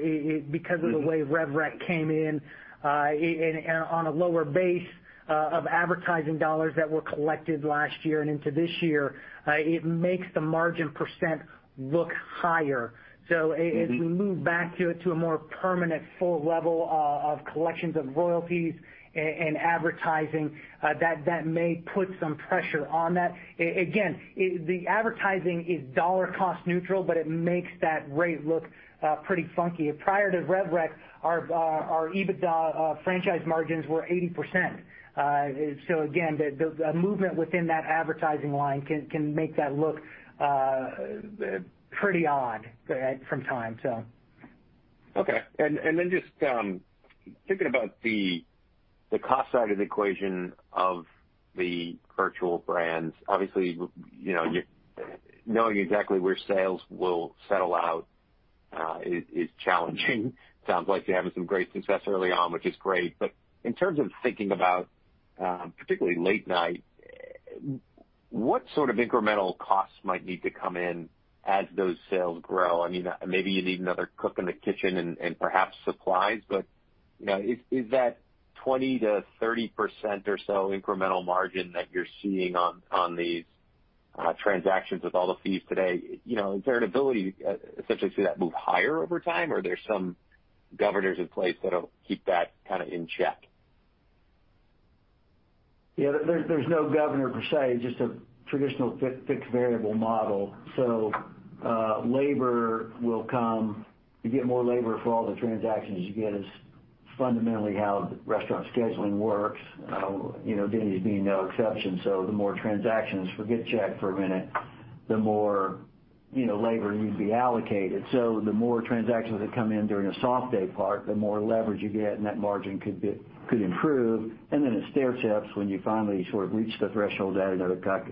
because of the way RevRec came in, on a lower base of advertising dollars that were collected last year and into this year. It makes the margin percent look higher. As we move back to a more permanent full level of collections of royalties and advertising, that may put some pressure on that. Again, the advertising is dollar cost neutral, but it makes that rate look pretty funky. Prior to RevRec, our EBITDA franchise margins were 80%. Again, the movement within that advertising line can make that look pretty odd from time. Okay. Just thinking about the cost side of the equation of the virtual brands, obviously, knowing exactly where sales will settle out is challenging. Sounds like you're having some great success early on, which is great. In terms of thinking about, particularly late night, what sort of incremental costs might need to come in as those sales grow? Maybe you need another cook in the kitchen and perhaps supplies, but is that 20%-30% or so incremental margin that you're seeing on these transactions with all the fees today, is there an ability essentially to see that move higher over time, or are there some governors in place that'll keep that kind of in check? Yeah. There's no governor per se, just a traditional fixed variable model. Labor will come. You get more labor for all the transactions you get is fundamentally how restaurant scheduling works, Denny's being no exception. The more transactions, forget check for a minute, the more labor needs to be allocated. The more transactions that come in during a soft day part, the more leverage you get, and that margin could improve. Then it stair steps when you finally sort of reach the threshold to add another cook,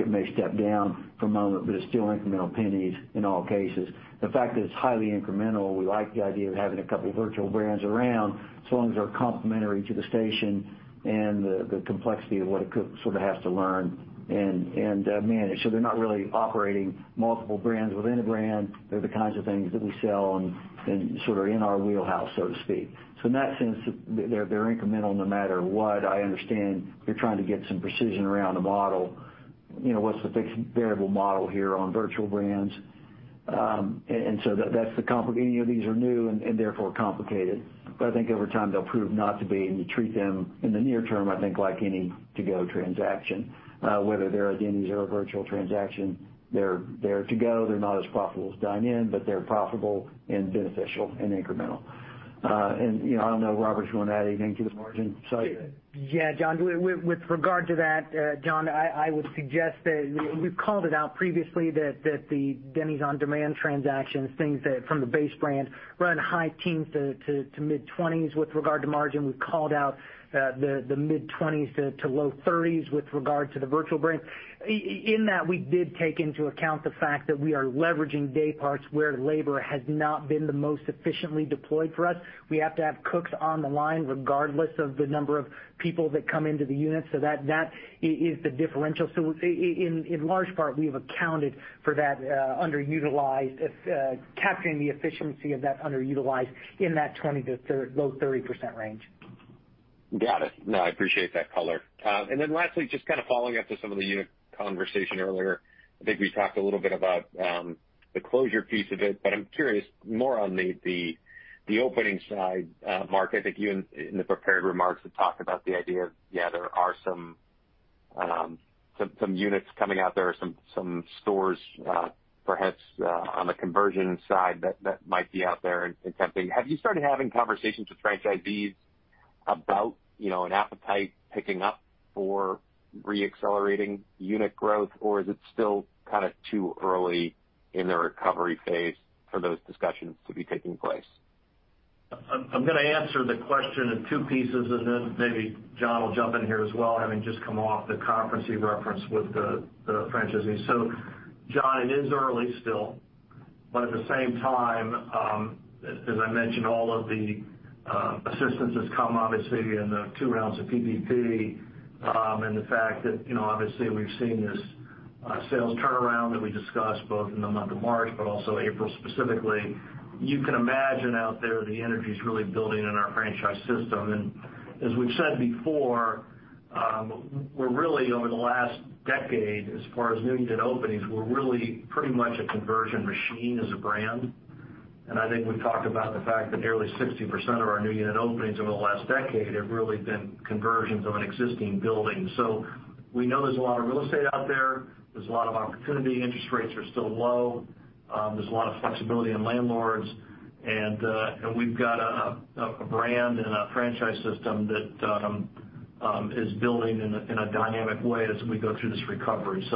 it may step down for a moment, but it's still incremental pennies in all cases. The fact that it's highly incremental, we like the idea of having a couple virtual brands around so long as they're complementary to the station and the complexity of what a cook sort of has to learn and manage. They're not really operating multiple brands within a brand. They're the kinds of things that we sell and sort of in our wheelhouse, so to speak. In that sense, they're incremental no matter what. I understand you're trying to get some precision around the model. What's the fixed variable model here on virtual brands? That's the complicated. Any of these are new and therefore complicated. I think over time, they'll prove not to be, and you treat them in the near term, I think like any to-go transaction. Whether they're a Denny's or a virtual transaction, they're to go. They're not as profitable as dine-in, but they're profitable and beneficial and incremental. I don't know if Robert wanted to add anything to the margin side. Yeah, John. With regard to that, John, I would suggest that we've called it out previously that the Denny's On Demand transactions, things from the base brand run high teens to mid-20s% with regard to margin. We've called out the mid-20s% to low 30s% with regard to the virtual brand. In that, we did take into account the fact that we are leveraging day parts where labor has not been the most efficiently deployed for us. We have to have cooks on the line regardless of the number of people that come into the unit, so that is the differential. In large part, we have accounted for that underutilized, capturing the efficiency of that underutilized in that 20% to low 30% range. Got it. I appreciate that color. Lastly, just kind of following up to some of the unit conversation earlier, I think we talked a little bit about the closure piece of it, but I'm curious more on the opening side. Mark, I think you in the prepared remarks, had talked about the idea of there are some units coming out there or some stores perhaps on the conversion side that might be out there and tempting. Have you started having conversations with franchisees about an appetite picking up for re-accelerating unit growth, or is it still kind of too early in the recovery phase for those discussions to be taking place? I'm going to answer the question in two pieces, then maybe John will jump in here as well, having just come off the conference he referenced with the franchisees. Jon, it is early still, but at the same time, as I mentioned, all of the assistance has come obviously in the two rounds of PPP. The fact that, obviously, we've seen this sales turnaround that we discussed both in the month of March, but also April specifically. You can imagine out there, the energy's really building in our franchise system. As we've said before, we're really, over the last decade, as far as new unit openings, we're really pretty much a conversion machine as a brand. I think we've talked about the fact that nearly 60% of our new unit openings over the last decade have really been conversions of an existing building. We know there's a lot of real estate out there. There's a lot of opportunity. Interest rates are still low. There's a lot of flexibility in landlords, and we've got a brand and a franchise system that is building in a dynamic way as we go through this recovery.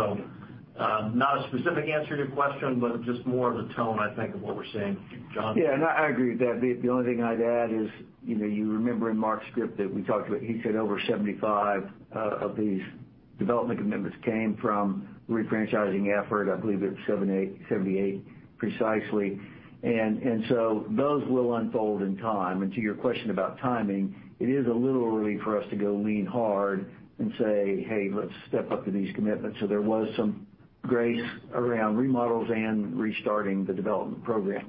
Not a specific answer to your question, but just more of a tone, I think, of what we're saying. John? I agree with that. The only thing I'd add is you remember in Mark's script that we talked about, he said over 75 of these development commitments came from refranchising effort. I believe it was 78 precisely. Those will unfold in time. To your question about timing, it is a little early for us to go lean hard and say, "Hey, let's step up to these commitments." There was some grace around remodels and restarting the development program.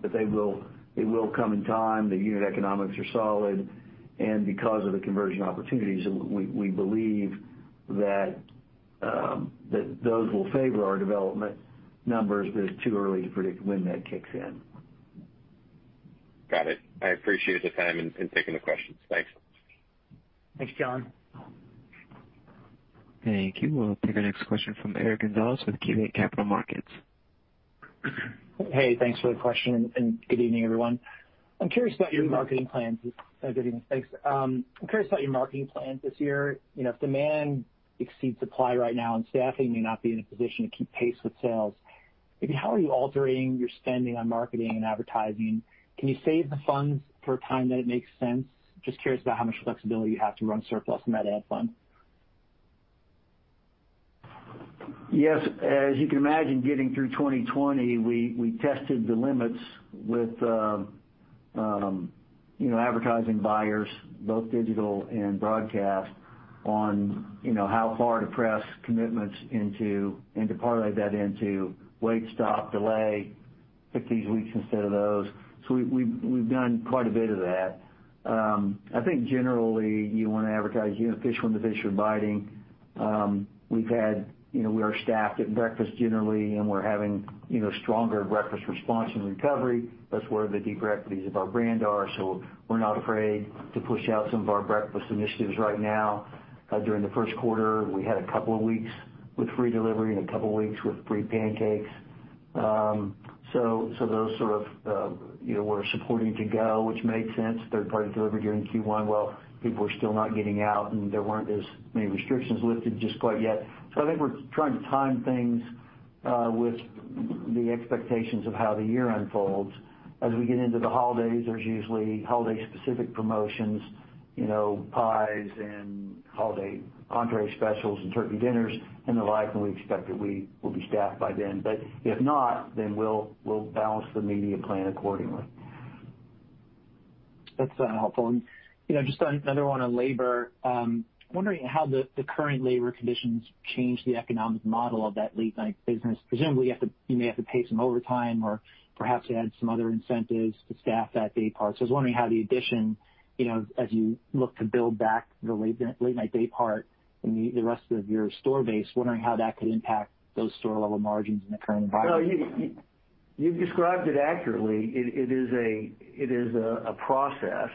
It will come in time. The unit economics are solid, and because of the conversion opportunities, we believe that those will favor our development numbers, but it's too early to predict when that kicks in. Got it. I appreciate the time and taking the questions. Thanks. Thanks, Jon. Thank you. We'll take our next question from Eric Gonzalez with KeyBanc Capital Markets. Thanks for the question, good evening, everyone. Good evening, thanks. I'm curious about your marketing plans this year. If demand exceeds supply right now and staffing may not be in a position to keep pace with sales, how are you altering your spending on marketing and advertising? Can you save the funds for a time that it makes sense? Just curious about how much flexibility you have to run surplus in that ad fund. Yes. As you can imagine, getting through 2020, we tested the limits with advertising buyers, both digital and broadcast, on how far to press commitments and to parlay that into wait, stop, delay, pick these weeks instead of those. We've done quite a bit of that. I think generally you want to advertise fish when the fish are biting. We are staffed at breakfast generally, and we're having stronger breakfast response and recovery. That's where the deep equities of our brand are. We're not afraid to push out some of our breakfast initiatives right now. During the first quarter, we had a couple of weeks with free delivery and a couple of weeks with free pancakes. Those sort of, we're supporting to go, which made sense. Third party delivery during Q1 while people are still not getting out, and there weren't as many restrictions lifted just quite yet. I think we're trying to time things with the expectations of how the year unfolds. As we get into the holidays, there's usually holiday specific promotions, pies and holiday entree specials and turkey dinners and the like, and we expect that we will be staffed by then. If not, then we'll balance the media plan accordingly. That's helpful. Just another one on labor. I'm wondering how the current labor conditions change the economic model of that late night business. Presumably, you may have to pay some overtime or perhaps add some other incentives to staff that day part. I was wondering how the addition as you look to build back the late night day part and the rest of your store base, wondering how that could impact those store level margins in the current environment. No, you've described it accurately. It is a process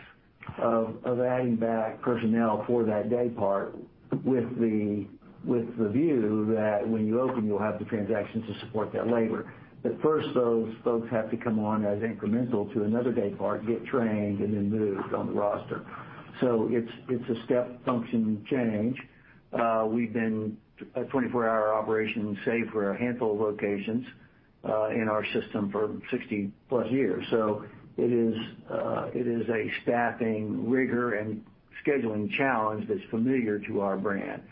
of adding back personnel for that day part with the view that when you open, you'll have the transactions to support that labor. First, those folks have to come on as incremental to another day part, get trained, and then moved on the roster. It's a step function change. We've been a 24-hour operation, save for a handful of locations in our system, for 60+ years. It is a staffing rigor and scheduling challenge that's familiar to our brand.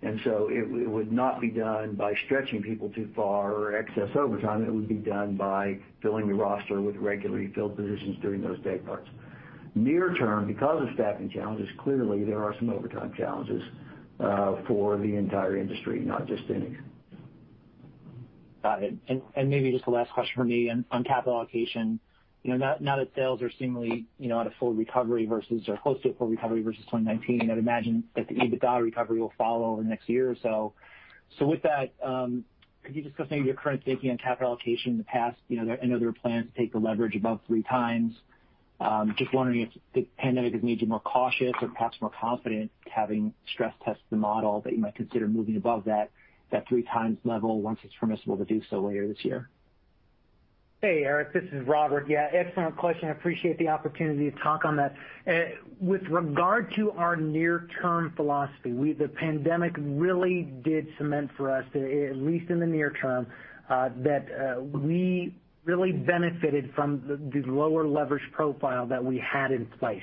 It would not be done by stretching people too far or excess overtime. It would be done by filling the roster with regularly filled positions during those day parts. Near term, because of staffing challenges, clearly there are some overtime challenges for the entire industry, not just Denny's. Got it. Maybe just the last question from me on capital allocation. Now that sales are seemingly at a full recovery versus or close to a full recovery versus 2019, I'd imagine that the EBITDA recovery will follow over the next year or so. With that, could you discuss maybe your current thinking on capital allocation in the past? I know there are plans to take the leverage above 3x. Just wondering if the pandemic has made you more cautious or perhaps more confident having stress tested the model that you might consider moving above that 3x level once it's permissible to do so later this year. Hey, Eric, this is Robert. Yeah, excellent question. I appreciate the opportunity to talk on that. With regard to our near term philosophy, the pandemic really did cement for us, at least in the near term, that we really benefited from the lower leverage profile that we had in place.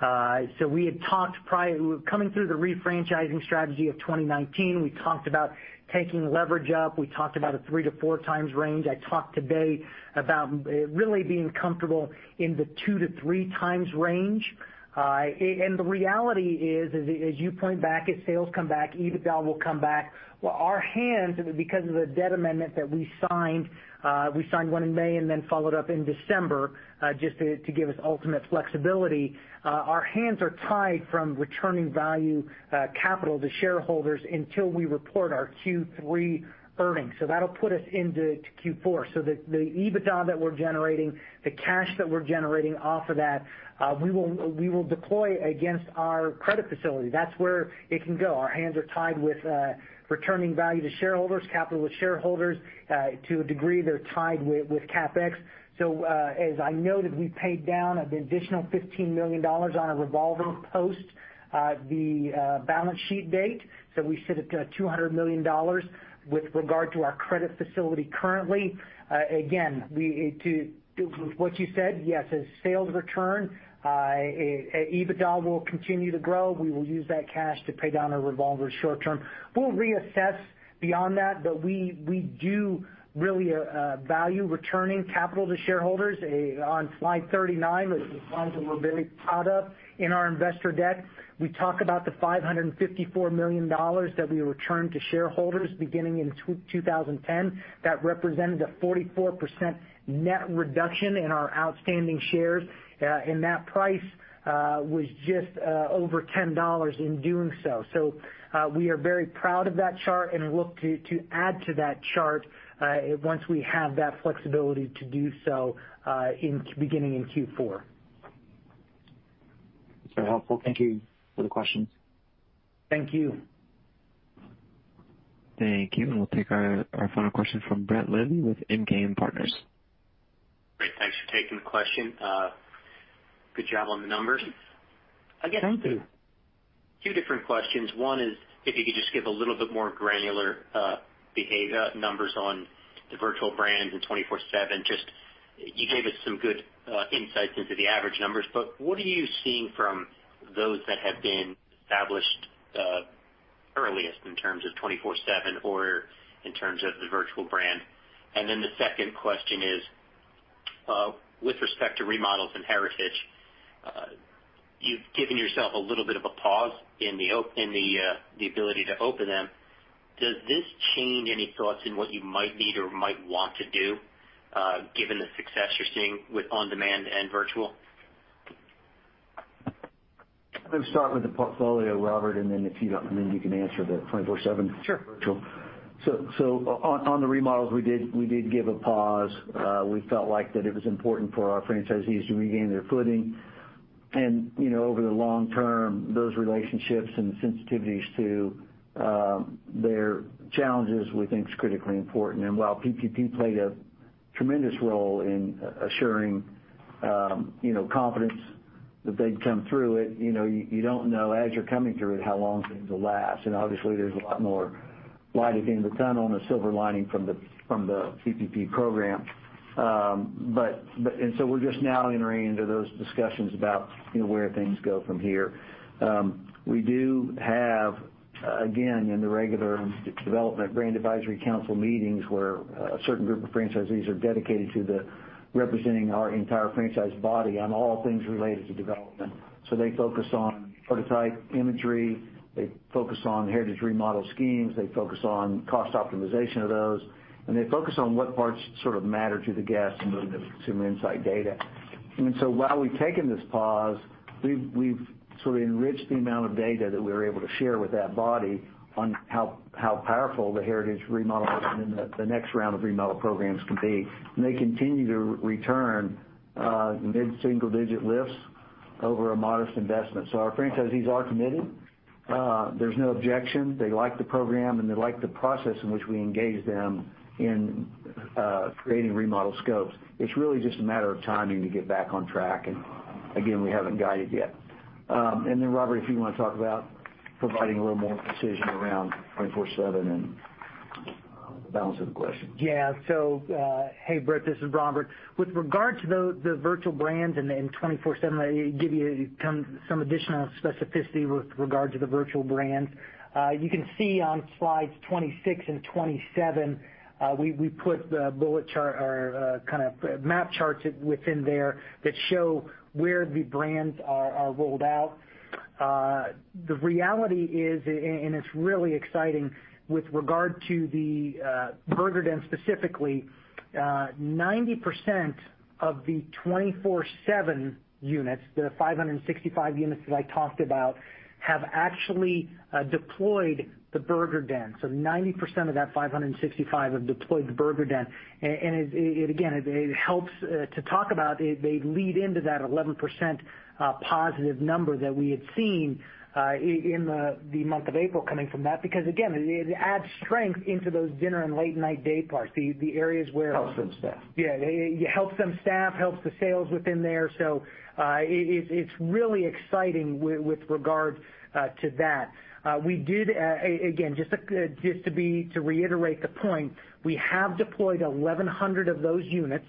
Coming through the refranchising strategy of 2019, we talked about taking leverage up. We talked about a 3x-4x range. I talked today about really being comfortable in the 2x-3x range. The reality is, as you point back, as sales come back, EBITDA will come back. Well, our hands, because of the debt amendment that we signed, we signed one in May and then followed up in December just to give us ultimate flexibility. Our hands are tied from returning value capital to shareholders until we report our Q3 earnings. That will put us into Q4, so the EBITDA that we are generating, the cash that we are generating off of that, we will deploy against our credit facility. That is where it can go. Our hands are tied with returning value to shareholders, capital to shareholders. To a degree, they are tied with CapEx. As I noted, we paid down an additional $15 million on a revolver post the balance sheet date. We sit at $200 million with regard to our credit facility currently. Again, to what you said, yes, as sales return, EBITDA will continue to grow. We will use that cash to pay down our revolver short term. We will reassess beyond that, but we do really value returning capital to shareholders. On slide 39, which is a slide that we're very proud of in our investor deck, we talk about the $554 million that we returned to shareholders beginning in 2010. That represented a 44% net reduction in our outstanding shares, and that price was just over $10 in doing so. We are very proud of that chart and look to add to that chart once we have that flexibility to do so beginning in Q4. That's very helpful. Thank you for the questions. Thank you. Thank you. We'll take our final question from Brett Levy with MKM Partners. Great. Thanks for taking the question. Good job on the numbers. Thank you. I guess two different questions. One is if you could just give a little bit more granular numbers on the virtual brands and 24/7. You gave us some good insights into the average numbers, but what are you seeing from those that have been established earliest in terms of 24/7 or in terms of the virtual brand? The second question is, with respect to remodels and Heritage, you've given yourself a little bit of a pause in the ability to open them. Does this change any thoughts in what you might need or might want to do given the success you're seeing with on-demand and virtual? Let me start with the portfolio, Robert, and then if you don't mind, you can answer the 24/7 virtual. Sure. On the remodels, we did give a pause. We felt like that it was important for our franchisees to regain their footing, and over the long term, those relationships and the sensitivities to their challenges, we think is critically important. While PPP played a tremendous role in assuring confidence that they'd come through it, you don't know as you're coming through it how long things will last. Obviously, there's a lot more light at the end of the tunnel and a silver lining from the PPP program. We're just now entering into those discussions about where things go from here. We do have, again, in the regular development brand advisory council meetings, where a certain group of franchisees are dedicated to representing our entire franchise body on all things related to development. They focus on prototype imagery, they focus on Heritage remodel schemes, they focus on cost optimization of those, and they focus on what parts sort of matter to the guests and the consumer insight data. While we've taken this pause, we've sort of enriched the amount of data that we're able to share with that body on how powerful the Heritage remodel and the next round of remodel programs can be. They continue to return mid-single-digit lifts over a modest investment. Our franchisees are committed. There's no objection. They like the program, and they like the process in which we engage them in creating remodel scopes. It's really just a matter of timing to get back on track, and again, we haven't guided yet. Robert, if you want to talk about providing a little more precision around 24/7 and the balance of the question. Yeah. Hey, Brett, this is Robert. With regard to the virtual brands and 24/7, I give you some additional specificity with regard to the virtual brands. You can see on slides 26 and 27, we put the bullet chart or kind of map charts within there that show where the brands are rolled out. The reality is, it's really exciting with regard to The Burger Den specifically, 90% of the 24/7 units, the 565 units that I talked about, have actually deployed The Burger Den. 90% of that 565 have deployed The Burger Den. Again, it helps to talk about, they lead into that 11%+ number that we had seen in the month of April coming from that, because again, it adds strength into those dinner and late-night day parts, the areas where- Helps them staff. Yeah, it helps them staff, helps the sales within there. It's really exciting with regard to that. Again, just to reiterate the point, we have deployed 1,100 of those units,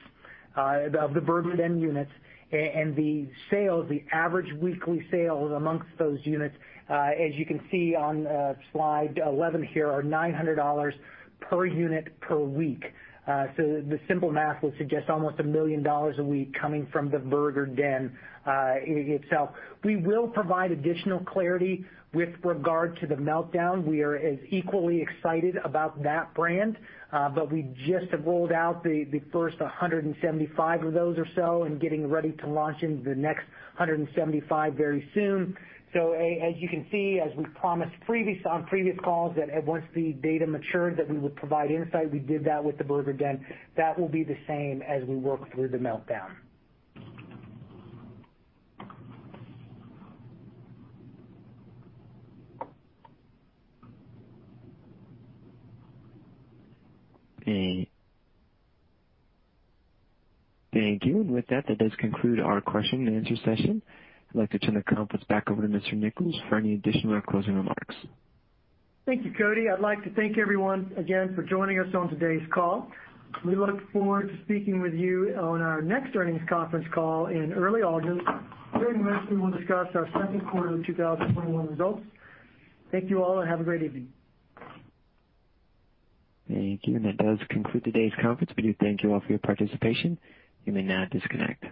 of The Burger Den units, and the sales, the average weekly sales amongst those units, as you can see on slide 11 here, are $900 per unit per week. The simple math would suggest almost $1 million a week coming from The Burger Den itself. We will provide additional clarity with regard to The Meltdown. We are as equally excited about that brand, but we just have rolled out the first 175 of those or so and getting ready to launch into the next 175 very soon. As you can see, as we promised on previous calls, that once the data matured, that we would provide insight. We did that with The Burger Den. That will be the same as we work through The Meltdown. Thank you. With that does conclude our question and answer session. I'd like to turn the conference back over to Mr. Nichols for any additional closing remarks. Thank you, Cody. I'd like to thank everyone again for joining us on today's call. We look forward to speaking with you on our next earnings conference call in early August. During which we will discuss our second quarter 2021 results. Thank you all, and have a great evening. Thank you. That does conclude today's conference. We do thank you all for your participation. You may now disconnect.